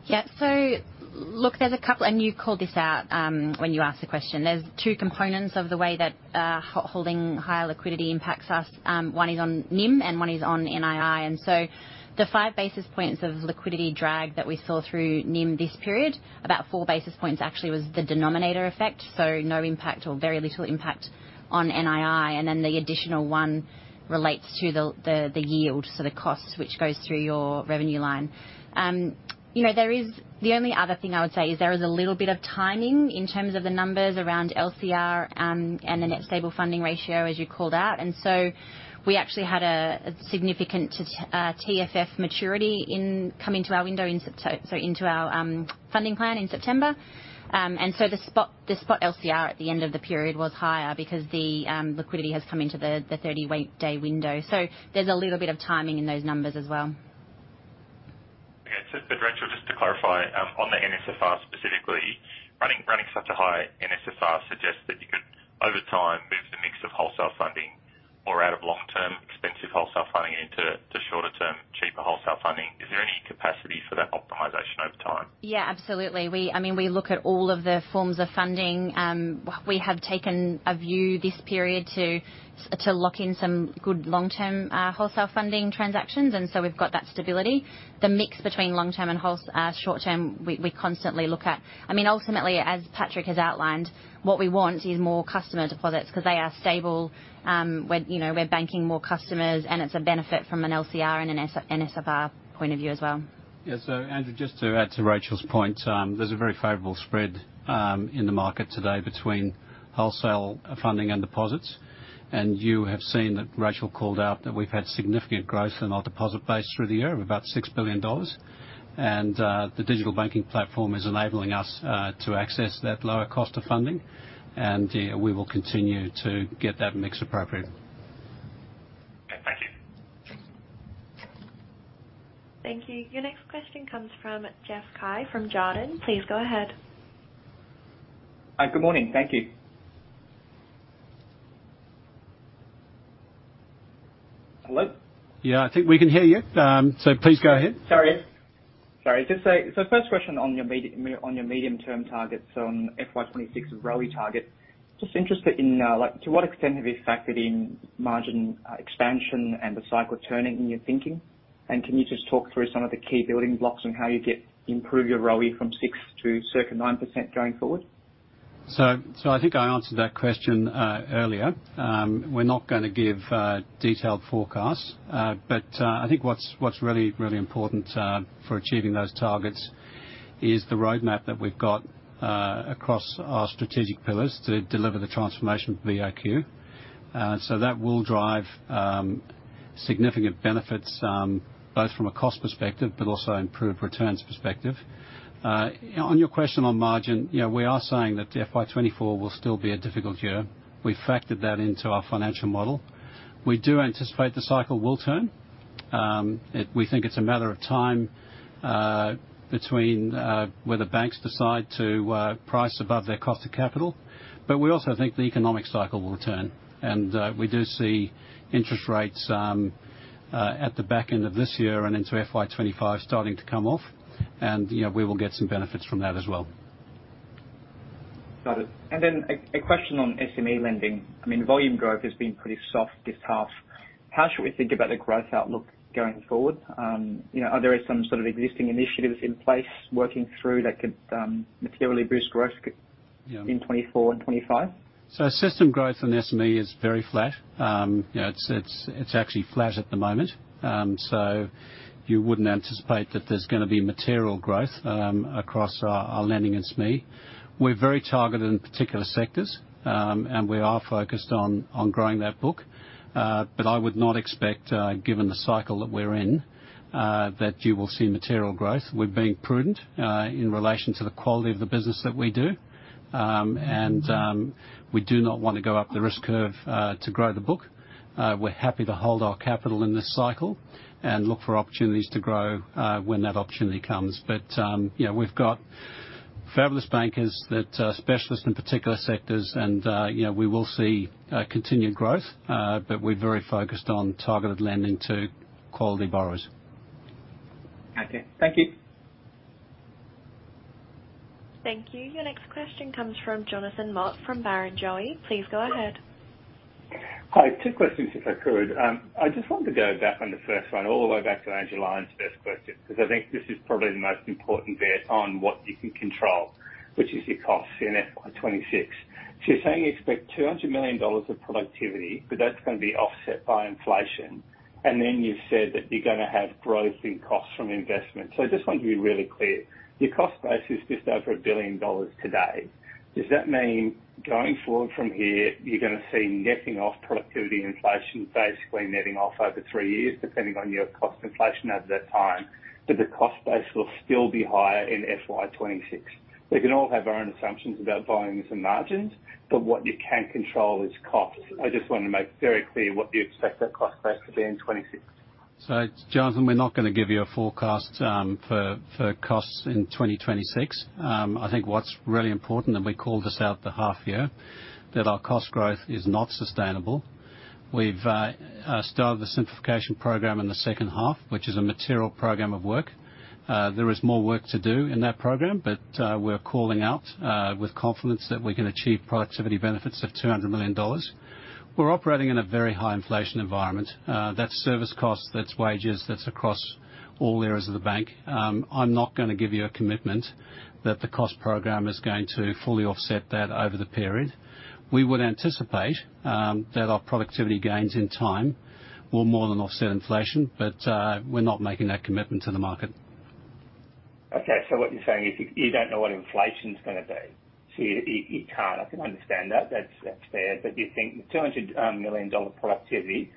Yeah. So look, there's a couple... And you called this out, when you asked the question. There's two components of the way that, holding higher liquidity impacts us, one is on NIM and one is on NII. And so the five basis points of liquidity drag that we saw through NIM this period, about four basis points actually was the denominator effect, so no impact or very little impact on NII, and then the additional one relates to the yield, so the cost, which goes through your revenue line. You know, the only other thing I would say is there is a little bit of timing in terms of the numbers around LCR, and the net stable funding ratio, as you called out. And so we actually had a significant TFF maturity come into our window in September so into our funding plan in September. And so the spot LCR at the end of the period was higher because the liquidity has come into the thirty-day window. So there's a little bit of timing in those numbers as well. Okay, but Rachael-... move the mix of wholesale funding or out of long-term expensive wholesale funding into the shorter-term, cheaper wholesale funding. Is there any capacity for that optimization over time? Yeah, absolutely. We, I mean, we look at all of the forms of funding. We have taken a view this period to lock in some good long-term wholesale funding transactions, and so we've got that stability. The mix between long-term and wholesale short-term, we constantly look at. I mean, ultimately, as Patrick has outlined, what we want is more customer deposits because they are stable. When, you know, we're banking more customers, and it's a benefit from an LCR and NSFR point of view as well. Yeah, so Andrew, just to add to Rachael's point, there's a very favorable spread in the market today between wholesale funding and deposits. The digital banking platform is enabling us to access that lower cost of funding, and we will continue to get that mix appropriate. Thank you. Thank you. Your next question comes from Jeff Cai, from Jarden. Please go ahead. Good morning. Thank you. Hello? Yeah, I think we can hear you, so please go ahead. Sorry. Sorry, just say so first question on your medium-term targets, on FY 2026 ROE target. Just interested in, like, to what extent have you factored in margin expansion and the cycle turning in your thinking? And can you just talk through some of the key building blocks on how you improve your ROE from 6% to circa 9% going forward? So I think I answered that question earlier. We're not going to give detailed forecasts, but I think what's really important for achieving those targets is the roadmap that we've got across our strategic pillars to deliver the transformation of the BOQ. So that will drive significant benefits both from a cost perspective, but also improved returns perspective. On your question on margin, you know, we are saying that FY 2024 will still be a difficult year. We've factored that into our financial model. We do anticipate the cycle will turn. We think it's a matter of time between whether banks decide to price above their cost of capital. But we also think the economic cycle will turn, and we do see interest rates at the back end of this year and into FY 2025 starting to come off, and, you know, we will get some benefits from that as well. Got it. And then a question on SME lending. I mean, volume growth has been pretty soft this half. How should we think about the growth outlook going forward? You know, are there some sort of existing initiatives in place working through that could materially boost growth- Yeah in 2024 and 2025? So system growth in SME is very flat. You know, it's actually flat at the moment. So you wouldn't anticipate that there's going to be material growth across our lending and SME. We're very targeted in particular sectors, and we are focused on growing that book. But I would not expect, given the cycle that we're in, that you will see material growth. We're being prudent in relation to the quality of the business that we do. And we do not want to go up the risk curve to grow the book. We're happy to hold our capital in this cycle and look for opportunities to grow when that opportunity comes. You know, we've got fabulous bankers that specialist in particular sectors and, you know, we will see continued growth, but we're very focused on targeted lending to quality borrowers. Okay. Thank you. Thank you. Your next question comes from Jonathan Mott from Barrenjoey. Please go ahead. Hi, two questions, if I could. I just wanted to go back on the first one, all the way back to Andrew Lyons' first question, because I think this is probably the most important bit on what you can control, which is your costs in FY 2026. So you're saying you expect 200 million dollars of productivity, but that's going to be offset by inflation. And then you've said that you're going to have growth in costs from investment. So I just want to be really clear. Your cost base is just over 1 billion dollars today. Does that mean going forward from here, you're going to see netting off productivity inflation, basically netting off over three years, depending on your cost inflation at that time, but the cost base will still be higher in FY 2026? We can all have our own assumptions about volumes and margins, but what you can control is costs. I just want to make very clear what you expect that cost base to be in 2026. So, Jonathan, we're not going to give you a forecast for costs in 2026. I think what's really important, and we called this out the half year, that our cost growth is not sustainable. We've started the simplification program in the second half, which is a material program of work. There is more work to do in that program, but we're calling out with confidence that we can achieve productivity benefits of 200 million dollars. We're operating in a very high inflation environment. That's service costs, that's wages, that's across all areas of the bank. I'm not going to give you a commitment that the cost program is going to fully offset that over the period. We would anticipate that our productivity gains in time will more than offset inflation, but we're not making that commitment to the market. Okay, so what you're saying is you, you don't know what inflation's going to be? So it, it can't. I can understand that. That's, that's fair. But do you think the 200 million dollar productivity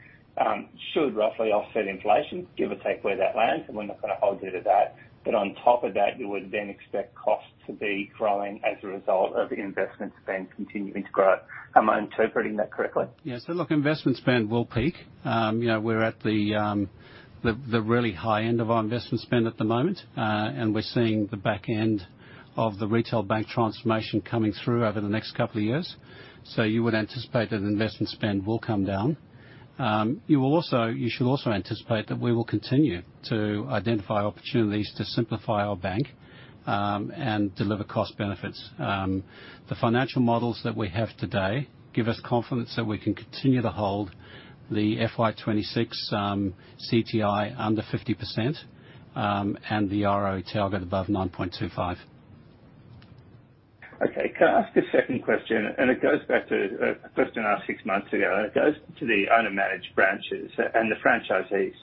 should roughly offset inflation, give or take where that lands? And we're not going to hold you to that. But on top of that, you would then expect costs to be growing as a result of investment spend continuing to grow. Am I interpreting that correctly? Yeah. So look, investment spend will peak. You know, we're at the really high end of our investment spend at the moment. And we're seeing the back end of the retail bank transformation coming through over the next couple of years. So you would anticipate that investment spend will come down. You will also, you should also anticipate that we will continue to identify opportunities to simplify our bank, and deliver cost benefits. The financial models that we have today give us confidence that we can continue to hold the FY 2026 CTI under 50%, and the ROE target above 9.25. Okay. Can I ask a second question? It goes back to a question I asked six months ago, and it goes to the owner-managed branches and the franchisees.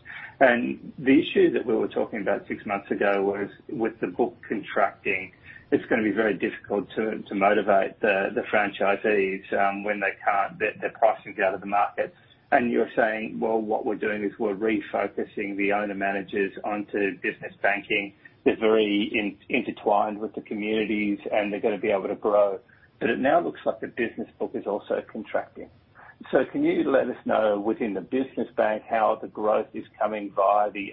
The issue that we were talking about six months ago was, with the book contracting, it's going to be very difficult to motivate the franchisees when they can't get their pricing out of the market. You're saying, "Well, what we're doing is we're refocusing the owner-managers onto business banking. They're very intertwined with the communities, and they're going to be able to grow." But it now looks like the business book is also contracting. So can you let us know, within the business bank, how the growth is coming via the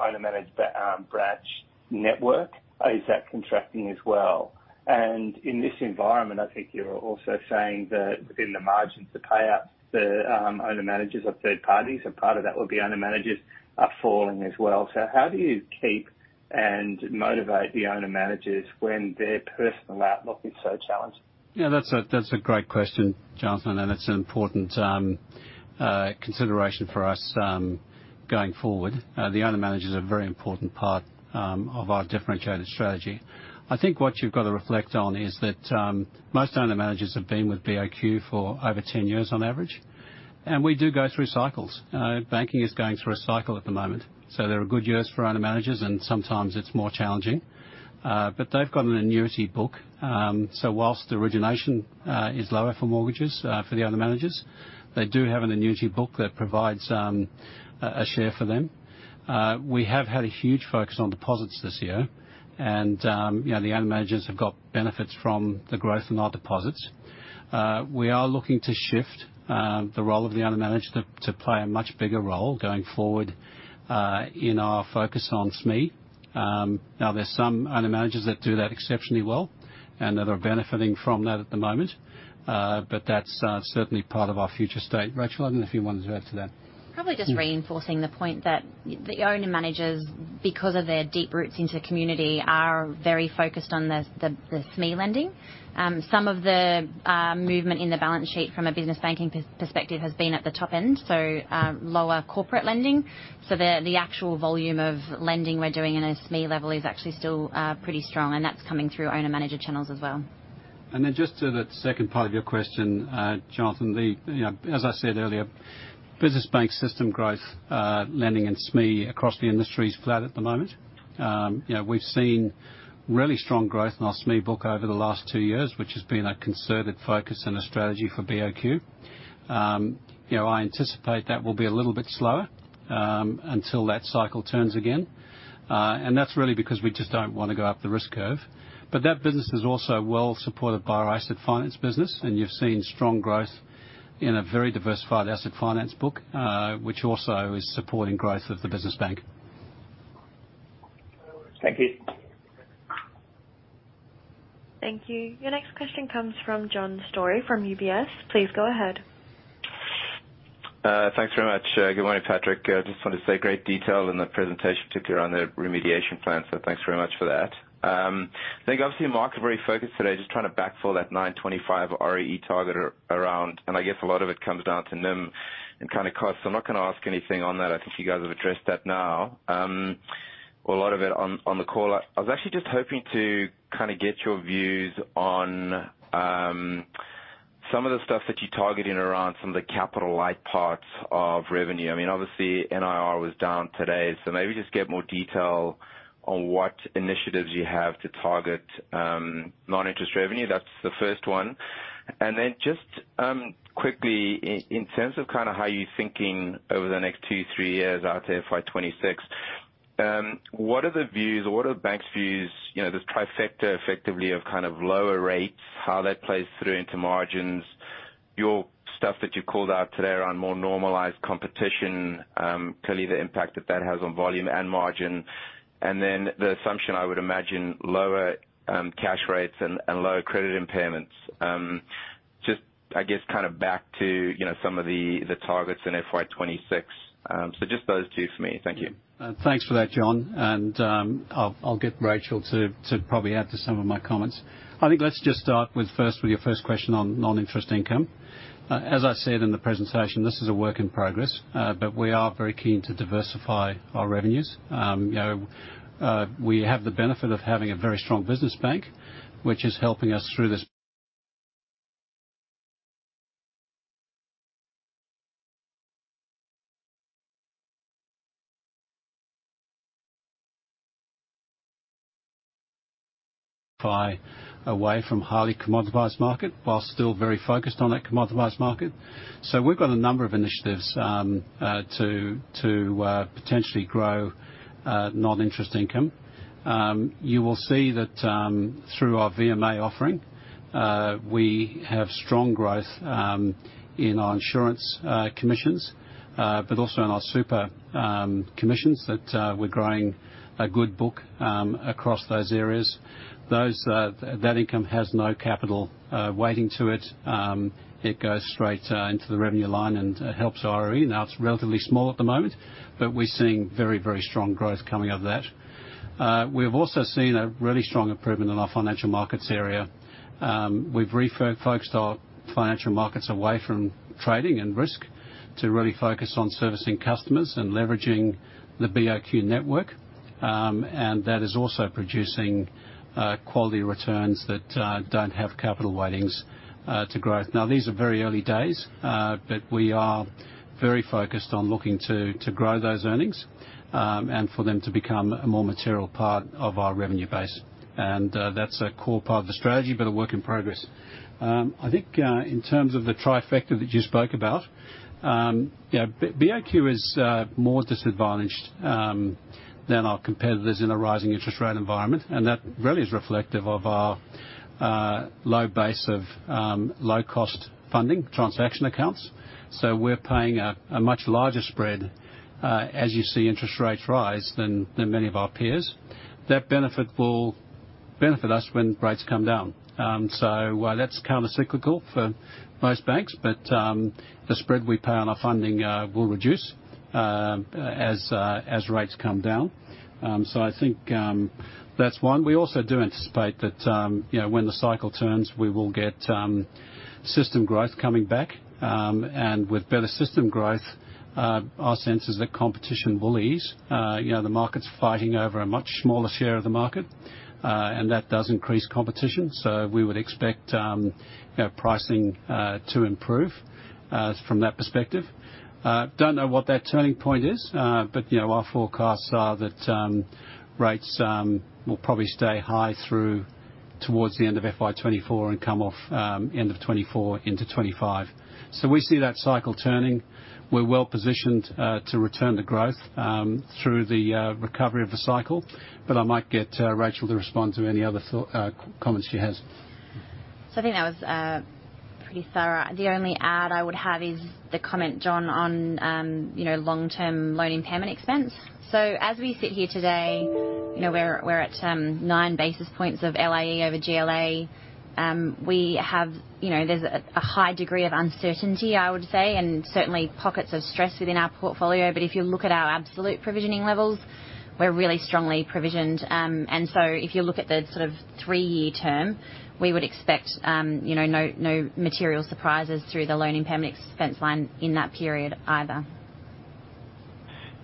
owner-managed branch network? Is that contracting as well? In this environment, I think you're also saying that within the margins to pay out the owner-managers or third parties, and part of that would be owner-managers, are falling as well. So how do you keep and motivate the owner-managers when their personal outlook is so challenging? Yeah, that's a great question, Jonathan, and it's an important consideration for us going forward. The owner-managers are a very important part of our differentiated strategy. I think what you've got to reflect on is that most owner-managers have been with BOQ for over 10 years on average, and we do go through cycles. Banking is going through a cycle at the moment. So there are good years for owner-managers, and sometimes it's more challenging. But they've got an annuity book. So while the origination is lower for mortgages for the owner-managers, they do have an annuity book that provides a share for them. We have had a huge focus on deposits this year, and you know, the owner-managers have got benefits from the growth in our deposits. We are looking to shift the role of the owner-manager to play a much bigger role going forward in our focus on SME. Now, there's some owner-managers that do that exceptionally well and that are benefiting from that at the moment. But that's certainly part of our future state. Rachael, I don't know if you wanted to add to that. Probably just reinforcing the point that the owner-managers, because of their deep roots into the community, are very focused on the SME lending. Some of the movement in the balance sheet from a business banking perspective has been at the top end, so lower corporate lending. So the actual volume of lending we're doing in a SME level is actually still pretty strong, and that's coming through owner-manager channels as well. And then just to that second part of your question, Jonathan, you know, as I said earlier, business bank system growth, lending, and SME across the industry is flat at the moment. You know, we've seen really strong growth in our SME book over the last two years, which has been a concerted focus and a strategy for BOQ. You know, I anticipate that will be a little bit slower until that cycle turns again. And that's really because we just don't want to go up the risk curve. But that business is also well supported by our asset finance business, and you've seen strong growth in a very diversified asset finance book, which also is supporting growth of the business bank. Thank you. Thank you. Your next question comes from John Storey from UBS. Please go ahead. Thanks very much. Good morning, Patrick. I just wanted to say, great detail in the presentation, particularly on the remediation plan, so thanks very much for that. I think obviously the market is very focused today, just trying to backfill that 9.25% ROE target around, and I guess a lot of it comes down to NIM and kind of cost. I'm not going to ask anything on that. I think you guys have addressed that now, or a lot of it on the call. I was actually just hoping to kind of get your views on some of the stuff that you're targeting around some of the capital light parts of revenue. I mean, obviously NIR was down today, so maybe just get more detail on what initiatives you have to target non-interest revenue. That's the first one. Just quickly, in terms of kind of how you're thinking over the next two, three years out to FY 2026, what are the views or what are the bank's views, you know, this trifecta effectively of kind of lower rates, how that plays through into margins? Your stuff that you called out today around more normalized competition, clearly the impact that that has on volume and margin, and then the assumption, I would imagine, lower cash rates and lower credit impairments. Just, I guess, kind of back to, you know, some of the targets in FY 2026. Just those two for me. Thank you. Thanks for that, John, I'll get Rachael to probably add to some of my comments. I think let's just start first with your first question on non-interest income. As I said in the presentation, this is a work in progress, but we are very keen to diversify our revenues. You know, we have the benefit of having a very strong business bank, which is helping us through this by away from highly commoditized market, while still very focused on that commoditized market. We've got a number of initiatives to potentially grow non-interest income. You will see that through our VMA offering, we have strong growth in our insurance commissions, but also in our super commissions, that we're growing a good book across those areas. That income has no capital weighting to it. It goes straight into the revenue line and helps ROE. Now, it's relatively small at the moment, but we're seeing very, very strong growth coming out of that. We've also seen a really strong improvement in our financial markets area. We've refocused our financial markets away from trading and risk to really focus on servicing customers and leveraging the BOQ network. And that is also producing quality returns that don't have capital weightings tied to growth. Now, these are very early days, but we are very focused on looking to grow those earnings, and for them to become a more material part of our revenue base. And that's a core part of the strategy but a work in progress. I think in terms of the trifecta that you spoke about, yeah, BOQ is more disadvantaged than our competitors in a rising interest rate environment, and that really is reflective of our low base of low-cost funding transaction accounts. So we're paying a much larger spread as you see interest rates rise than many of our peers. That benefit will benefit us when rates come down. So that's countercyclical for most banks, but the spread we pay on our funding will reduce as rates come down. So I think that's one. We also do anticipate that, you know, when the cycle turns, we will get system growth coming back. And with better system growth, our sense is that competition will ease. You know, the market's fighting over a much smaller share of the market, and that does increase competition. So we would expect, you know, pricing to improve from that perspective. Don't know what that turning point is, but, you know, our forecasts are that rates will probably stay high through towards the end of FY 2024 and come off, end of 2024 into 2025. So we see that cycle turning. We're well positioned to return to growth through the recovery of the cycle, but I might get Rachael to respond to any other thought, comments she has. So I think that was pretty thorough. The only add I would have is the comment, John, on, you know, long-term loan impairment expense. So as we sit here today, you know, we're at 9 basis points of LIE over GLA. We have, you know, there's a high degree of uncertainty, I would say, and certainly pockets of stress within our portfolio. But if you look at our absolute provisioning levels, we're really strongly provisioned. And so if you look at the sort of 3-year term, we would expect, you know, no, no material surprises through the loan impairment expense line in that period either.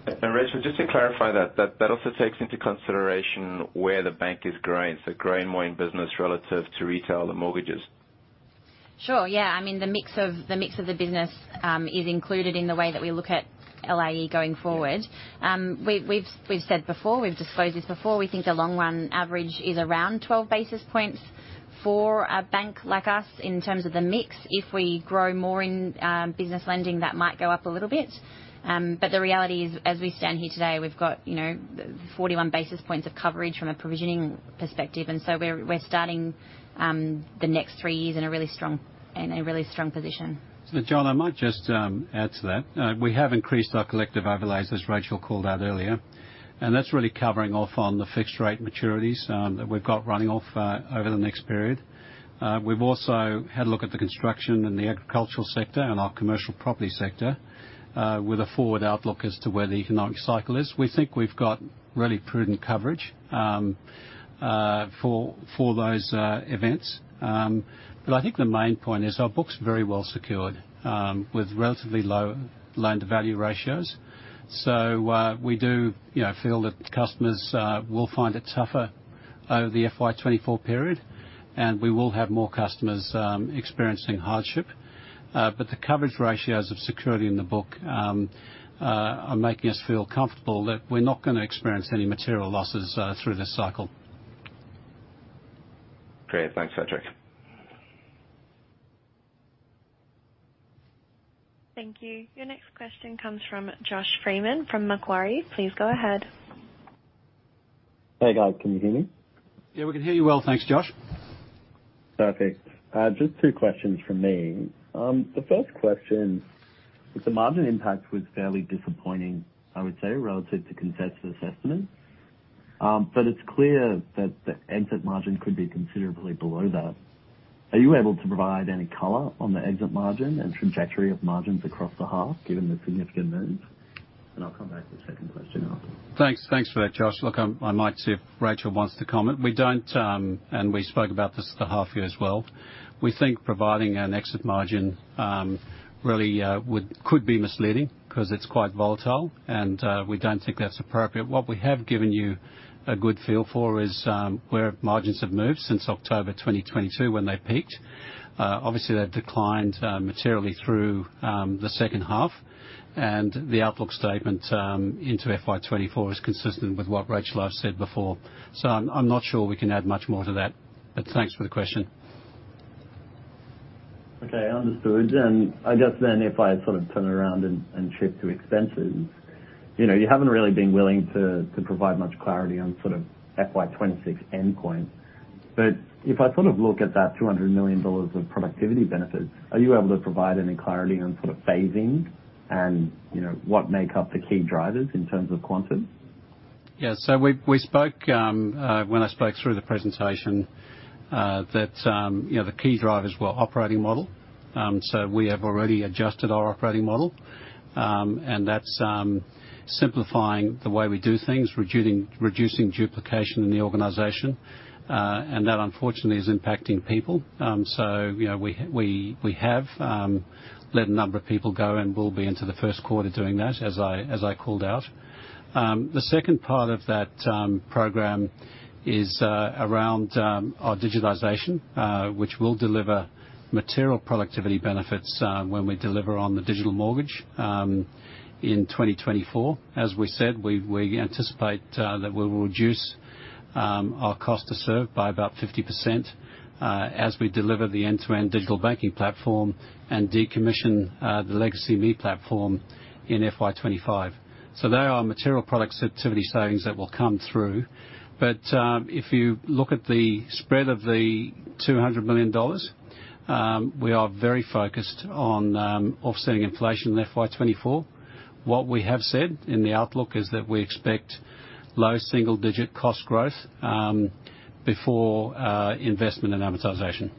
Rachael, just to clarify that, that also takes into consideration where the bank is growing, so growing more in business relative to retail and mortgages. Sure, yeah. I mean, the mix of, the mix of the business, is included in the way that we look at LIE going forward. Yeah. We've said before, we've disclosed this before, we think the long run average is around 12 basis points for a bank like us in terms of the mix. If we grow more in business lending, that might go up a little bit. But the reality is, as we stand here today, we've got, you know, 41 basis points of coverage from a provisioning perspective, and so we're starting the next three years in a really strong position. So John, I might just add to that. We have increased our collective overlays, as Rachael called out earlier, and that's really covering off on the fixed-rate maturities that we've got running off over the next period. We've also had a look at the construction in the agricultural sector and our commercial property sector with a forward outlook as to where the economic cycle is. We think we've got really prudent coverage for those events. But I think the main point is our book's very well secured with relatively low loan-to-value ratios. So we do, you know, feel that customers will find it tougher over the FY 2024 period, and we will have more customers experiencing hardship. But the coverage ratios of security in the book are making us feel comfortable that we're not gonna experience any material losses through this cycle. Great. Thanks, Patrick. Thank you. Your next question comes from Josh Freiman from Macquarie. Please go ahead. Hey, guys. Can you hear me? Yeah, we can hear you well. Thanks, Josh. Perfect. Just two questions from me. The first question, the margin impact was fairly disappointing, I would say, relative to consensus estimates. But it's clear that the exit margin could be considerably below that. Are you able to provide any color on the exit margin and trajectory of margins across the half, given the significant moves? And I'll come back to the second question after. Thanks. Thanks for that, Josh. Look, I might see if Rachel wants to comment. We don't... And we spoke about this at the half year as well. We think providing an exit margin, really, could be misleading, 'cause it's quite volatile, and we don't think that's appropriate. What we have given you a good feel for is where margins have moved since October 2022, when they peaked. Obviously, they've declined materially through the second half, and the outlook statement into FY 2024 is consistent with what Rachel has said before. So I'm not sure we can add much more to that, but thanks for the question. Okay, understood. And I guess then if I sort of turn it around and, and shift to expenses, you know, you haven't really been willing to, to provide much clarity on sort of FY 2026 endpoint. But if I sort of look at that 200 million dollars of productivity benefits, are you able to provide any clarity on sort of phasing and, you know, what make up the key drivers in terms of quantum? Yeah. So we, we spoke, when I spoke through the presentation, that, you know, the key drivers were operating model. So we have already adjusted our operating model. And that's simplifying the way we do things, reducing duplication in the organization. And that, unfortunately, is impacting people. So you know, we have, we have let a number of people go, and we'll be into the first quarter doing that, as I called out. The second part of that program is around our digitization, which will deliver material productivity benefits, when we deliver on the digital mortgage, in 2024. As we said, we anticipate that we will reduce our cost to serve by about 50%, as we deliver the end-to-end digital banking platform and decommission the legacy ME platform in FY 2025. So there are material products activity savings that will come through. But if you look at the spread of the 200 million dollars, we are very focused on offsetting inflation in FY 2024. What we have said in the outlook is that we expect low single-digit cost growth, before investment and amortization.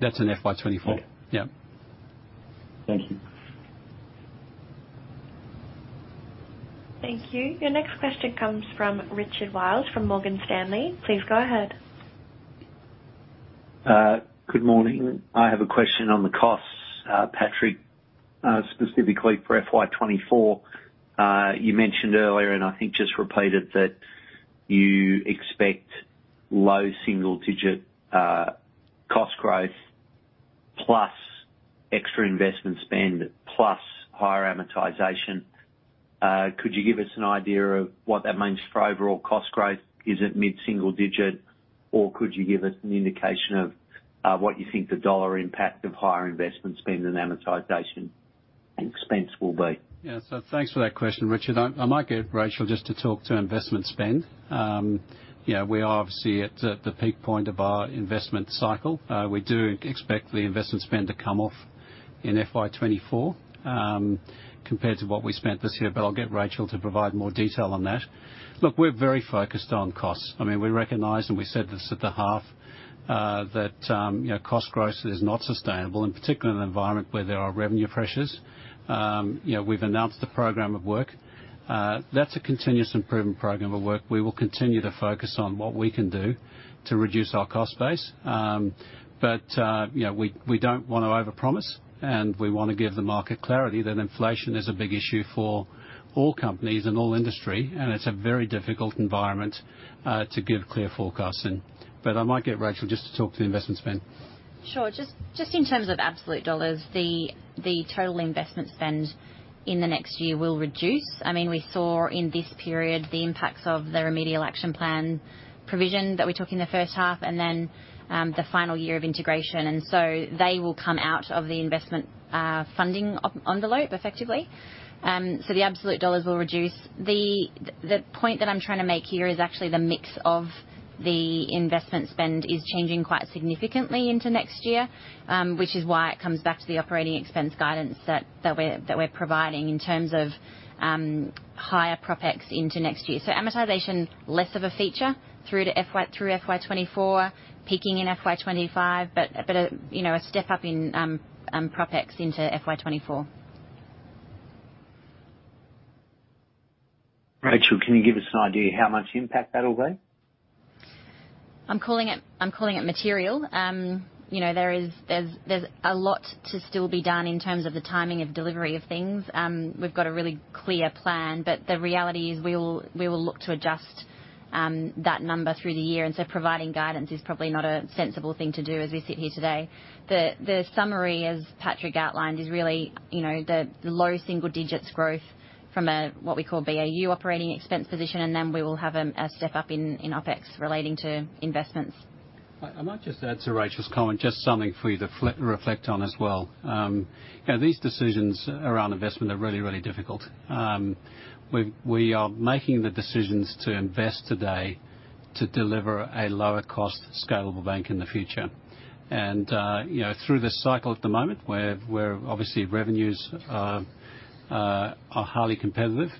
That's in FY 2024. Okay. Yeah. Thank you. Thank you. Your next question comes from Richard Wiles from Morgan Stanley. Please go ahead. Good morning. I have a question on the costs, Patrick, specifically for FY 2024. You mentioned earlier, and I think just repeated, that you expect low single-digit cost growth, plus extra investment spend, plus higher amortization. Could you give us an idea of what that means for overall cost growth? Is it mid-single digit, or could you give us an indication of what you think the dollar impact of higher investment spend and amortization expense will be? Yeah. So thanks for that question, Richard. I might get Rachel just to talk to investment spend. You know, we are obviously at the peak point of our investment cycle. We do expect the investment spend to come off in FY 2024, compared to what we spent this year, but I'll get Rachel to provide more detail on that. Look, we're very focused on costs. I mean, we recognize, and we said this at the half, that you know, cost growth is not sustainable, in particular in an environment where there are revenue pressures. You know, we've announced the program of work. That's a continuous improvement program of work. We will continue to focus on what we can do to reduce our cost base. But, you know, we don't want to overpromise, and we want to give the market clarity that inflation is a big issue for all companies and all industry, and it's a very difficult environment to give clear forecasts in. But I might get Rachael just to talk to the investment spend. Sure. Just in terms of absolute dollars, the total investment spend in the next year will reduce. I mean, we saw in this period the impacts of the Remedial Action Plan provision that we took in the first half and then the final year of integration. And so they will come out of the investment funding OpEx envelope, effectively. So the absolute dollars will reduce. The point that I'm trying to make here is actually the mix of the investment spend is changing quite significantly into next year, which is why it comes back to the operating expense guidance that we're providing in terms of higher Propex into next year. So amortization, less of a feature through to FY, through FY 2024, peaking in FY 2025, but, but a, you know, a step-up in Propex into FY 2024. Rachael, can you give us an idea how much impact that will be? I'm calling it, I'm calling it material. You know, there is there's a lot to still be done in terms of the timing of delivery of things. We've got a really clear plan, but the reality is we will look to adjust that number through the year, and so providing guidance is probably not a sensible thing to do as we sit here today. The summary, as Patrick outlined, is really, you know, the low single digits growth from a what we call BAU operating expense position, and then we will have a step up in OpEx relating to investments. I might just add to Rachael's comment, just something for you to reflect on as well. You know, these decisions around investment are really, really difficult. We are making the decisions to invest today to deliver a lower cost, scalable bank in the future. And you know, through this cycle at the moment, where obviously revenues are highly competitive,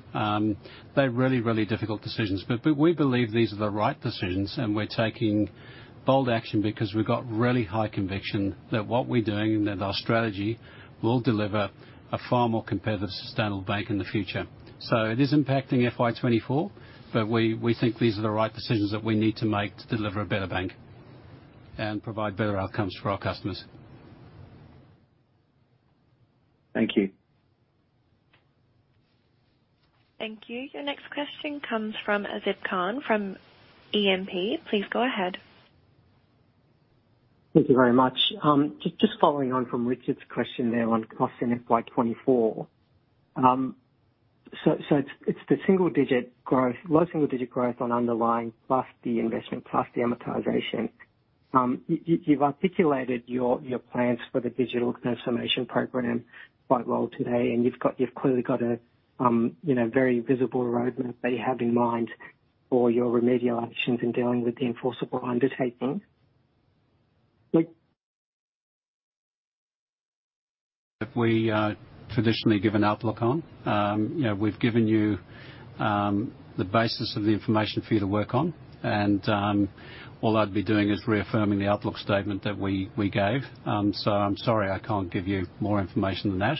they're really, really difficult decisions. But we believe these are the right decisions, and we're taking bold action because we've got really high conviction that what we're doing and that our strategy will deliver a far more competitive, sustainable bank in the future. So it is impacting FY 2024, but we think these are the right decisions that we need to make to deliver a better bank and provide better outcomes for our customers. Thank you. Thank you. Your next question comes from Azib Khan, from E&P. Please go ahead. Thank you very much. Just following on from Richard's question there on costs in FY 2024. It's the single-digit growth, low single-digit growth on underlying, plus the investment, plus the amortization. You've articulated your plans for the digital transformation program quite well today, and you've clearly got a, you know, very visible roadmap that you have in mind for your remedial actions in dealing with the Enforceable Undertaking. We traditionally give an outlook on. You know, we've given you the basis of the information for you to work on, and all I'd be doing is reaffirming the outlook statement that we gave. So I'm sorry, I can't give you more information than that,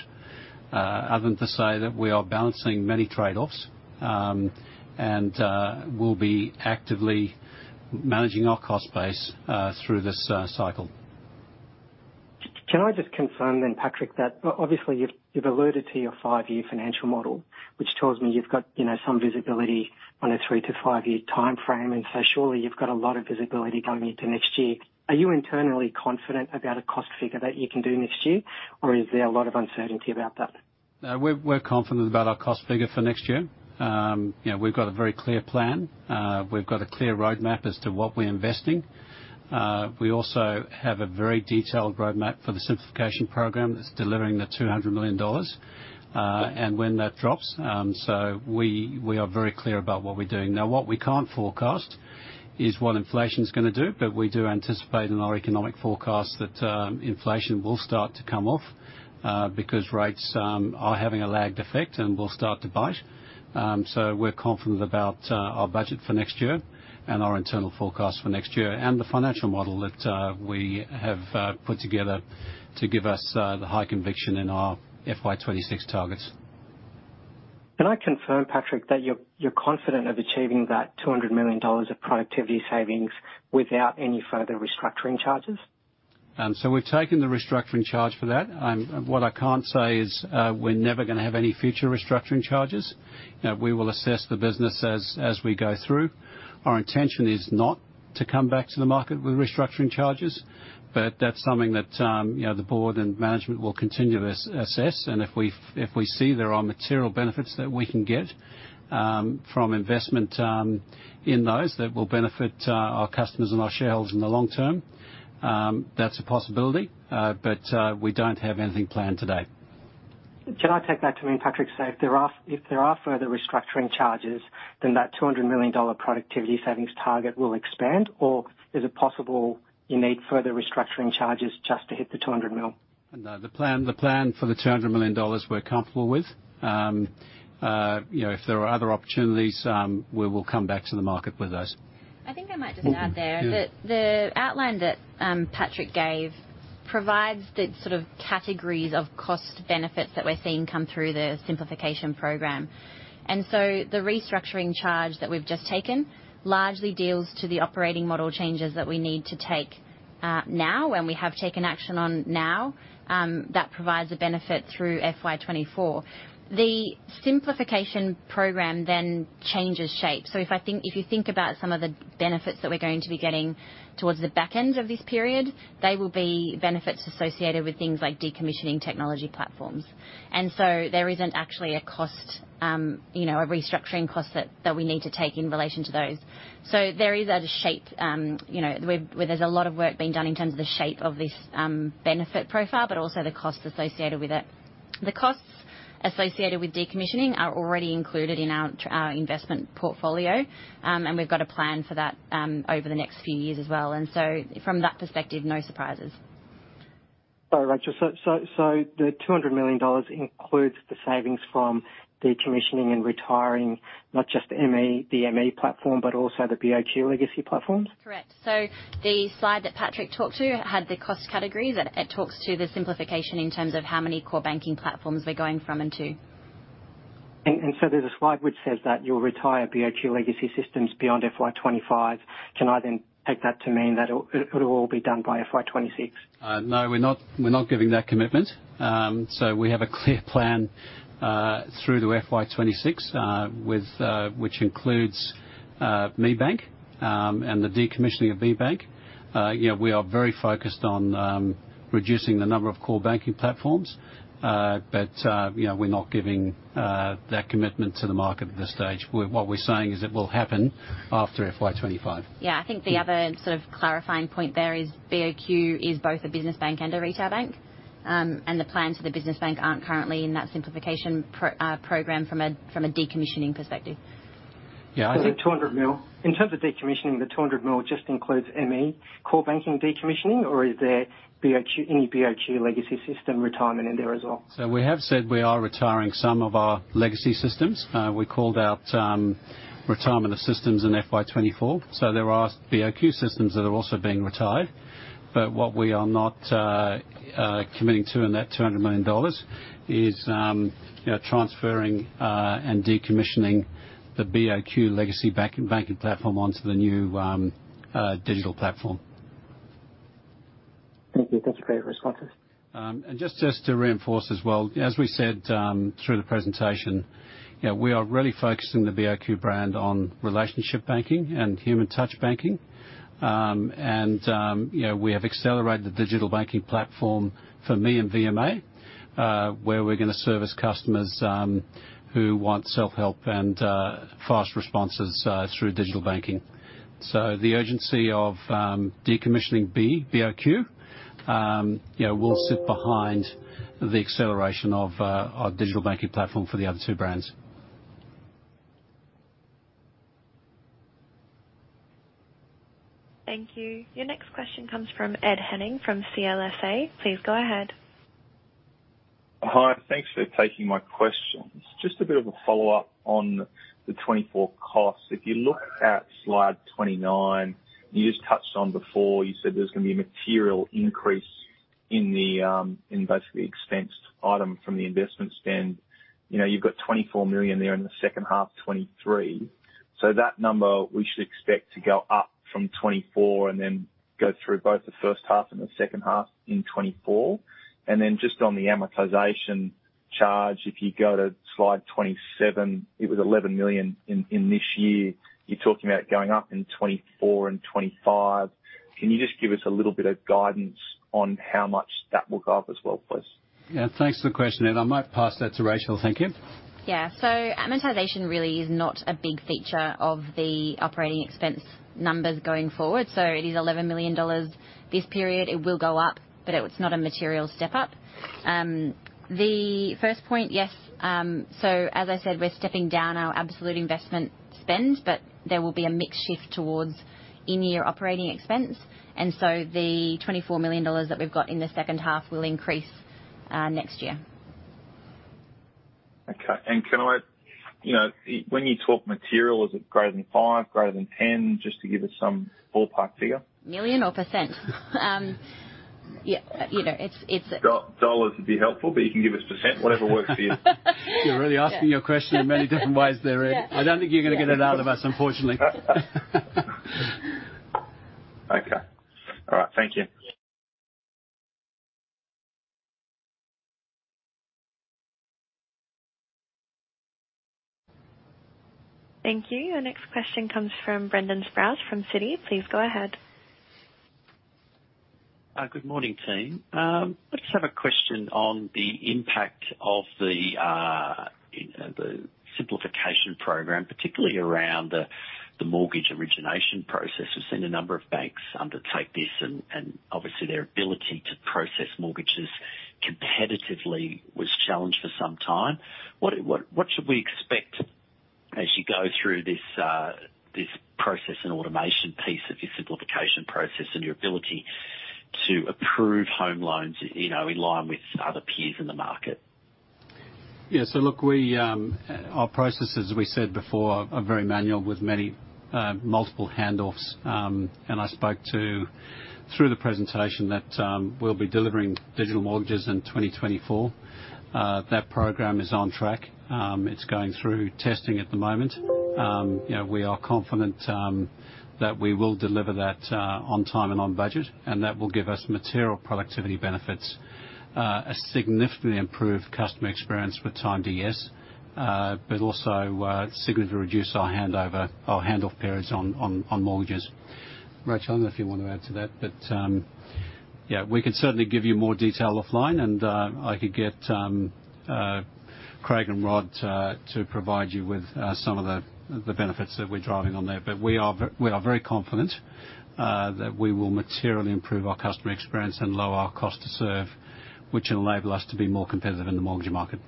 other than to say that we are balancing many trade-offs, and we'll be actively managing our cost base through this cycle. Can I just confirm then, Patrick, that obviously, you've alluded to your five-year financial model, which tells me you've got, you know, some visibility on a three to five-year timeframe, and so surely you've got a lot of visibility going into next year. Are you internally confident about a cost figure that you can do next year, or is there a lot of uncertainty about that? We're, we're confident about our cost figure for next year. You know, we've got a very clear plan. We've got a clear roadmap as to what we're investing. We also have a very detailed roadmap for the simplification program that's delivering the 200 million dollars, and when that drops. So we, we are very clear about what we're doing. Now, what we can't forecast is what inflation's gonna do, but we do anticipate in our economic forecast that inflation will start to come off, because rates are having a lagged effect and will start to bite. So we're confident about our budget for next year and our internal forecast for next year, and the financial model that we have put together to give us the high conviction in our FY 2026 targets. Can I confirm, Patrick, that you're confident of achieving that 200 million dollars of productivity savings without any further restructuring charges? We've taken the restructuring charge for that. What I can't say is, we're never gonna have any future restructuring charges. You know, we will assess the business as we go through. Our intention is not to come back to the market with restructuring charges, but that's something that, you know, the board and management will continue to assess, and if we see there are material benefits that we can get from investment in those, that will benefit our customers and our shareholders in the long term, that's a possibility, but we don't have anything planned today. Can I take that to mean, Patrick, so if there are further restructuring charges, then that 200 million dollar productivity savings target will expand, or is it possible you need further restructuring charges just to hit the 200 million? No. The plan, the plan for the 200 million dollars, we're comfortable with. You know, if there are other opportunities, we will come back to the market with those. I think I might just add there- Yeah. That the outline that Patrick gave provides the sort of categories of cost benefits that we're seeing come through the simplification program. And so the restructuring charge that we've just taken largely deals to the operating model changes that we need to take now, and we have taken action on now, that provides a benefit through FY 2024. The simplification program then changes shape. So if you think about some of the benefits that we're going to be getting towards the back end of this period, they will be benefits associated with things like decommissioning technology platforms. And so there isn't actually a cost, you know, a restructuring cost that we need to take in relation to those. So there is a shape, you know, where, where there's a lot of work being done in terms of the shape of this, benefit profile, but also the costs associated with it. The costs associated with decommissioning are already included in our investment portfolio, and we've got a plan for that, over the next few years as well, and so from that perspective, no surprises. Sorry, Rachael, so the 200 million dollars includes the savings from decommissioning and retiring, not just ME, the ME platform, but also the BOQ legacy platform? Correct. So the slide that Patrick talked to had the cost categories, and it talks to the simplification in terms of how many core banking platforms we're going from and to. So there's a slide which says that you'll retire BOQ legacy systems beyond FY 2025. Can I then take that to mean that it'll all be done by FY 2026? No, we're not, we're not giving that commitment. We have a clear plan through to FY 2026, which includes ME Bank and the decommissioning of BOQ. You know, we are very focused on reducing the number of core banking platforms, but, you know, we're not giving that commitment to the market at this stage. What we're saying is it will happen after FY 2025. Yeah, I think the other sort of clarifying point there is BOQ is both a business bank and a retail bank. And the plans for the business bank aren't currently in that simplification program from a decommissioning perspective. Yeah, I think- The 200 million. In terms of decommissioning, the 200 million just includes ME core banking decommissioning, or is there BOQ, any BOQ legacy system retirement in there as well? We have said we are retiring some of our legacy systems. We called out retirement of systems in FY 2024, so there are BOQ systems that are also being retired. But what we are not committing to in that 200 million dollars is you know transferring and decommissioning the BOQ legacy banking platform onto the new digital platform.... Thank you. That's a great response. And just to reinforce as well, as we said, through the presentation, you know, we are really focusing the BOQ brand on relationship banking and human touch banking. And, you know, we have accelerated the digital banking platform for ME and VMA, where we're going to service customers, who want self-help and fast responses, through digital banking. So the urgency of decommissioning BOQ, you know, will sit behind the acceleration of our digital banking platform for the other two brands. Thank you. Your next question comes from Ed Henning from CLSA. Please go ahead. Hi, thanks for taking my questions. Just a bit of a follow-up on the 2024 costs. If you look at slide 29, you just touched on before, you said there's going to be a material increase in the, in basically the expense item from the investment spend. You know, you've got 24 million there in the second half, 2023. So that number, we should expect to go up from 2024 and then go through both the first half and the second half in 2024. And then just on the amortization charge, if you go to slide 27, it was 11 million in, in this year. You're talking about going up in 2024 and 2025. Can you just give us a little bit of guidance on how much that will go up as well, please? Yeah, thanks for the question, Ed. I might pass that to Rachel. Thank you. Yeah. So amortization really is not a big feature of the operating expense numbers going forward. So it is 11 million dollars this period. It will go up, but it's not a material step up. The first point, yes. So as I said, we're stepping down our absolute investment spend, but there will be a mix shift towards in-ear operating expense, and so the 24 million dollars that we've got in the second half will increase, next year. Okay. Can I... You know, when you talk material, is it greater than 5? Greater than 10? Just to give us some ballpark figure. Million or percent? Yeah, you know, it's, it's- Dollars would be helpful, but you can give us percent. Whatever works for you. You're really asking your question in many different ways there, Ed. Yeah. I don't think you're going to get it out of us, unfortunately. Okay. All right. Thank you. Thank you. Your next question comes from Brendan Sproules, from Citi. Please go ahead. Good morning, team. I just have a question on the impact of the simplification program, particularly around the mortgage origination process. We've seen a number of banks undertake this, and obviously their ability to process mortgages competitively was challenged for some time. What should we expect as you go through this process and automation piece of your simplification process and your ability to approve home loans, you know, in line with other peers in the market? Yeah. Look, we, our processes, as we said before, are very manual with many, multiple handoffs. I spoke through the presentation that we'll be delivering digital mortgages in 2024. That program is on track. It's going through testing at the moment. You know, we are confident that we will deliver that on time and on budget, and that will give us material productivity benefits, a significantly improved customer experience with time to yes, but also significantly reduce our handover or handoff periods on mortgages. Rachael, I don't know if you want to add to that, but, yeah, we can certainly give you more detail offline and I could get Craig and Rod to provide you with some of the benefits that we're driving on there. But we are very confident that we will materially improve our customer experience and lower our cost to serve, which will enable us to be more competitive in the mortgage market.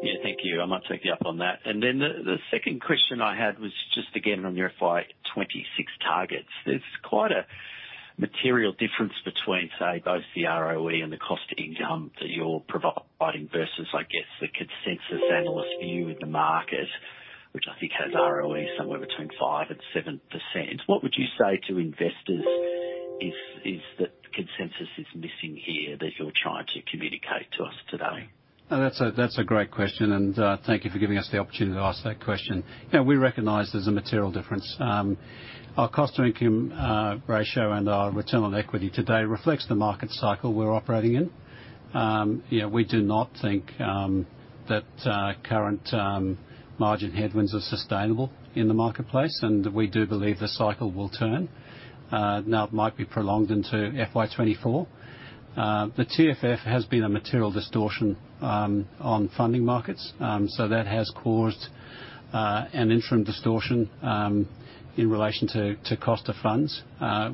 Yeah. Thank you. I might take you up on that. And then the, the second question I had was just again on your FY26 targets. There's quite a material difference between, say, both the ROE and the cost to income that you're providing versus, I guess, the consensus analyst view in the market, which I think has ROE somewhere between 5%-7%. What would you say to investors if, if that consensus is missing here, that you're trying to communicate to us today? That's a great question, and thank you for giving us the opportunity to ask that question. You know, we recognize there's a material difference. Our cost-to-income ratio and our return on equity today reflects the market cycle we're operating in. You know, we do not think that current margin headwinds are sustainable in the marketplace, and we do believe the cycle will turn. Now, it might be prolonged into FY 2024. The TFF has been a material distortion on funding markets. So that has caused an interim distortion in relation to cost of funds.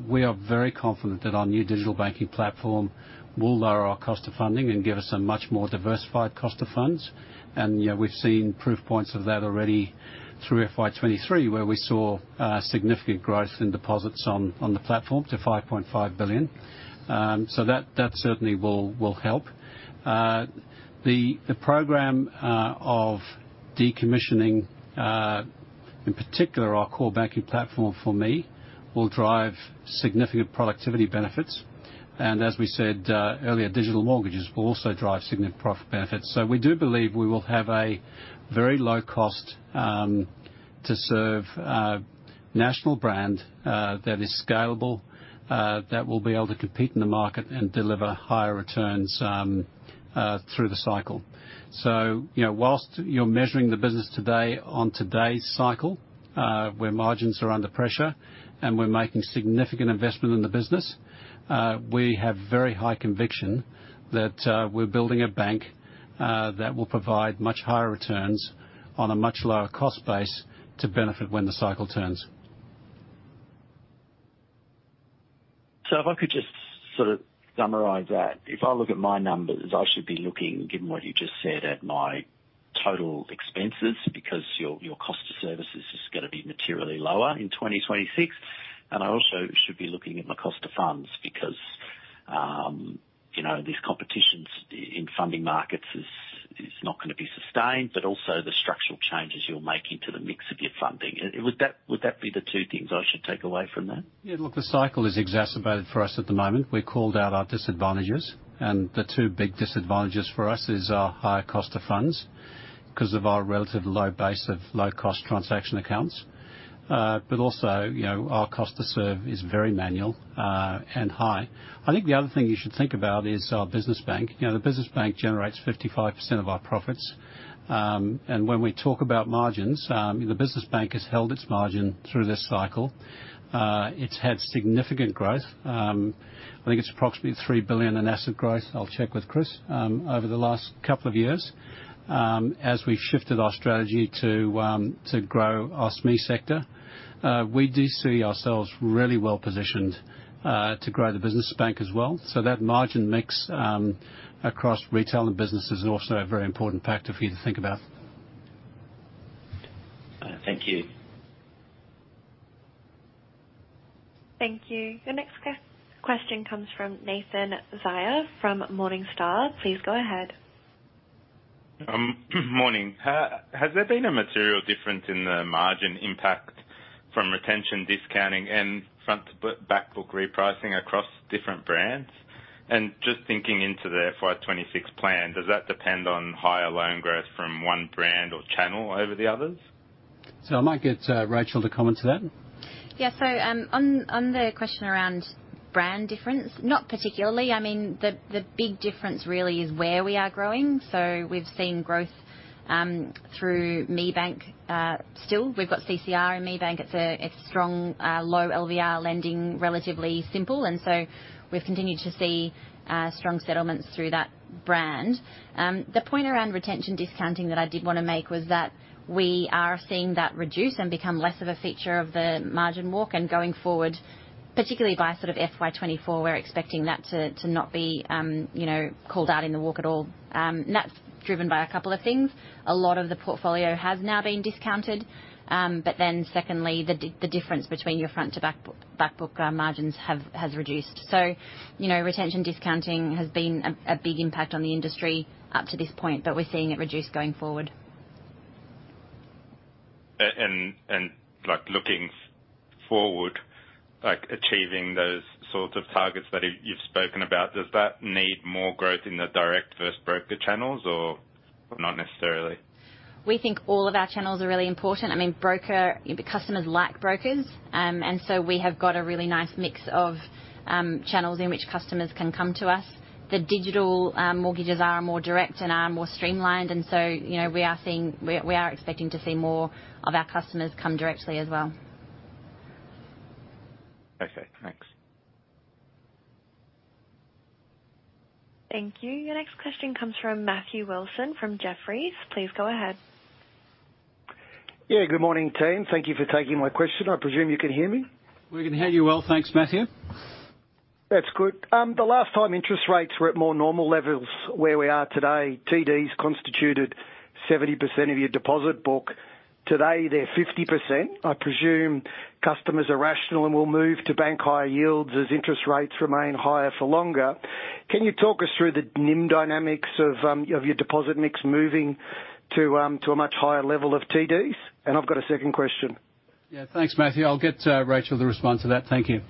We are very confident that our new digital banking platform will lower our cost of funding and give us a much more diversified cost of funds. You know, we've seen proof points of that already through FY 2023, where we saw significant growth in deposits on the platform to 5.5 billion. So that certainly will help. The program of decommissioning, in particular, our core banking platform for ME, will drive significant productivity benefits. And as we said earlier, digital mortgages will also drive significant profit benefits. So we do believe we will have a very low-cost to serve national brand that is scalable that will be able to compete in the market and deliver higher returns through the cycle. So, you know, while you're measuring the business today on today's cycle, where margins are under pressure and we're making significant investment in the business, we have very high conviction that, we're building a bank, that will provide much higher returns on a much lower cost base to benefit when the cycle turns. So if I could just sort of summarize that. If I look at my numbers, I should be looking, given what you just said, at my total expenses, because your, your cost to services is gonna be materially lower in 2026. And I also should be looking at my cost of funds because, you know, this competition in funding markets is, is not gonna be sustained, but also the structural changes you're making to the mix of your funding. Would that, would that be the two things I should take away from that? Yeah, look, the cycle is exacerbated for us at the moment. We called out our disadvantages, and the two big disadvantages for us is our higher cost of funds, because of our relative low base of low-cost transaction accounts. But also, you know, our cost to serve is very manual, and high. I think the other thing you should think about is our business bank. You know, the business bank generates 55% of our profits. And when we talk about margins, the business bank has held its margin through this cycle. It's had significant growth. I think it's approximately 3 billion in asset growth. I'll check with Chris, over the last couple of years. As we've shifted our strategy to grow our ME sector, we do see ourselves really well positioned to grow the business bank as well. So that margin mix across retail and business is also a very important factor for you to think about. Thank you. Thank you. The next question comes from Nathan Zaia from Morningstar. Please go ahead. Morning. Has there been a material difference in the margin impact from retention, discounting, and front to back book repricing across different brands? And just thinking into the FY 2026 plan, does that depend on higher loan growth from one brand or channel over the others? I might get Rachael to comment to that. Yeah. So, on the question around brand difference, not particularly. I mean, the big difference really is where we are growing. So we've seen growth through ME Bank. Still, we've got CCR in ME Bank. It's strong, low LVR lending, relatively simple. And so we've continued to see strong settlements through that brand. The point around retention discounting that I did want to make was that we are seeing that reduce and become less of a feature of the margin walk-in going forward, particularly by sort of FY 2024. We're expecting that to not be, you know, called out in the walk at all. And that's driven by a couple of things. A lot of the portfolio has now been discounted. But then secondly, the difference between your front to back, back book margins has reduced. So, you know, retention discounting has been a big impact on the industry up to this point, but we're seeing it reduced going forward. And, like, looking forward, like, achieving those sorts of targets that you, you've spoken about, does that need more growth in the direct versus broker channels or not necessarily? We think all of our channels are really important. I mean, broker... The customers like brokers. And so we have got a really nice mix of channels in which customers can come to us. The digital mortgages are more direct and are more streamlined, and so, you know, we are seeing- we, we are expecting to see more of our customers come directly as well. Okay, thanks. Thank you. Your next question comes from Matthew Wilson, from Jefferies. Please go ahead. Yeah, good morning, team. Thank you for taking my question. I presume you can hear me? We can hear you well. Thanks, Matthew. That's good. The last time interest rates were at more normal levels, where we are today, TDs constituted 70% of your deposit book. Today, they're 50%. I presume customers are rational and will move to bank higher yields as interest rates remain higher for longer. Can you talk us through the NIM dynamics of, of your deposit mix moving to, to a much higher level of TDs? And I've got a second question. Yeah. Thanks, Matthew. I'll get Rachael to respond to that. Thank you.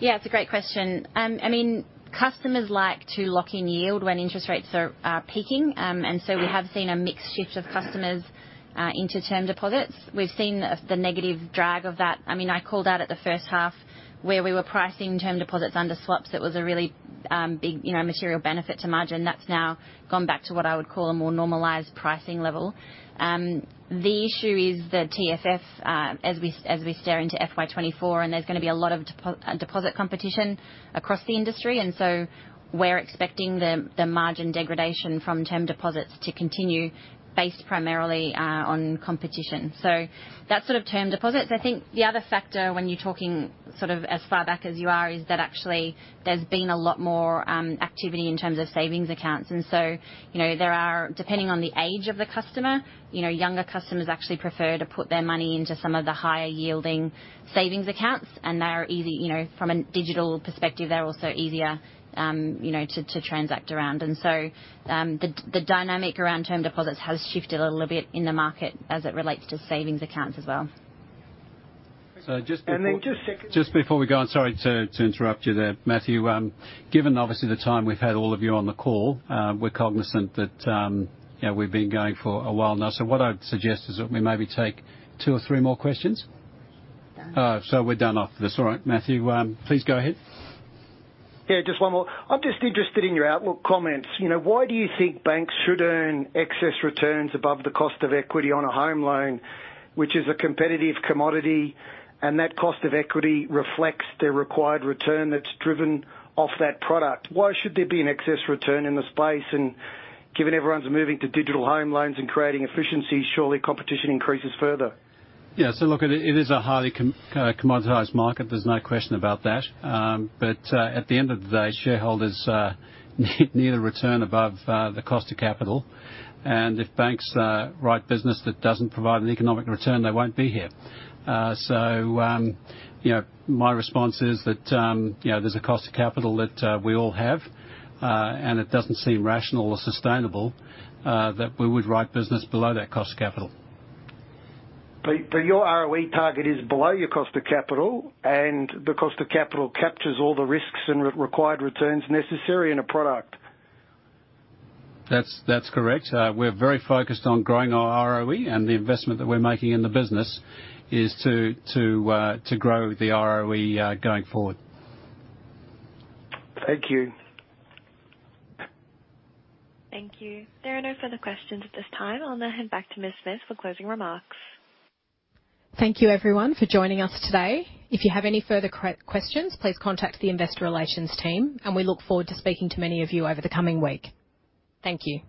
Yeah, it's a great question. I mean, customers like to lock in yield when interest rates are peaking. I mean, we have seen a mix shift of customers into term deposits. We've seen the negative drag of that. I mean, I called out at the first half where we were pricing term deposits under swaps. It was a really, you know, big, material benefit to margin that's now gone back to what I would call a more normalized pricing level. I mean, the issue is the TFF as we stare into FY 2024, and there's gonna be a lot of deposit competition across the industry. We are expecting the margin degradation from term deposits to continue based primarily on competition. That's sort of term deposits. I think the other factor when you're talking sort of as far back as you are, is that actually there's been a lot more activity in terms of savings accounts. And so, you know, there are, depending on the age of the customer, you know, younger customers actually prefer to put their money into some of the higher yielding savings accounts, and they are easy. You know, from a digital perspective, they're also easier, you know, to transact around. And so, the dynamic around term deposits has shifted a little bit in the market as it relates to savings accounts as well. So just before- And then just second- Just before we go on, sorry to interrupt you there, Matthew. Given obviously the time we've had all of you on the call, we're cognizant that, you know, we've been going for a while now. So what I'd suggest is that we maybe take two or three more questions. Done. So we're done after this. All right, Matthew, please go ahead. Yeah, just one more. I'm just interested in your outlook comments. You know, why do you think banks should earn excess returns above the cost of equity on a home loan, which is a competitive commodity, and that cost of equity reflects the required return that's driven off that product? Why should there be an excess return in the space? And given everyone's moving to digital home loans and creating efficiency, surely competition increases further. Yeah. So look, it is a highly commoditized market. There's no question about that. But, at the end of the day, shareholders need a return above the cost of capital. If banks write business that doesn't provide an economic return, they won't be here. So, you know, my response is that, you know, there's a cost of capital that we all have, and it doesn't seem rational or sustainable that we would write business below that cost of capital. But your ROE target is below your cost of capital, and the cost of capital captures all the risks and required returns necessary in a product. That's, that's correct. We're very focused on growing our ROE, and the investment that we're making in the business is to grow the ROE, going forward. Thank you. Thank you. There are no further questions at this time. I'll now hand back to Ms. Smith for closing remarks. Thank you, everyone, for joining us today. If you have any further questions, please contact the investor relations team, and we look forward to speaking to many of you over the coming week. Thank you.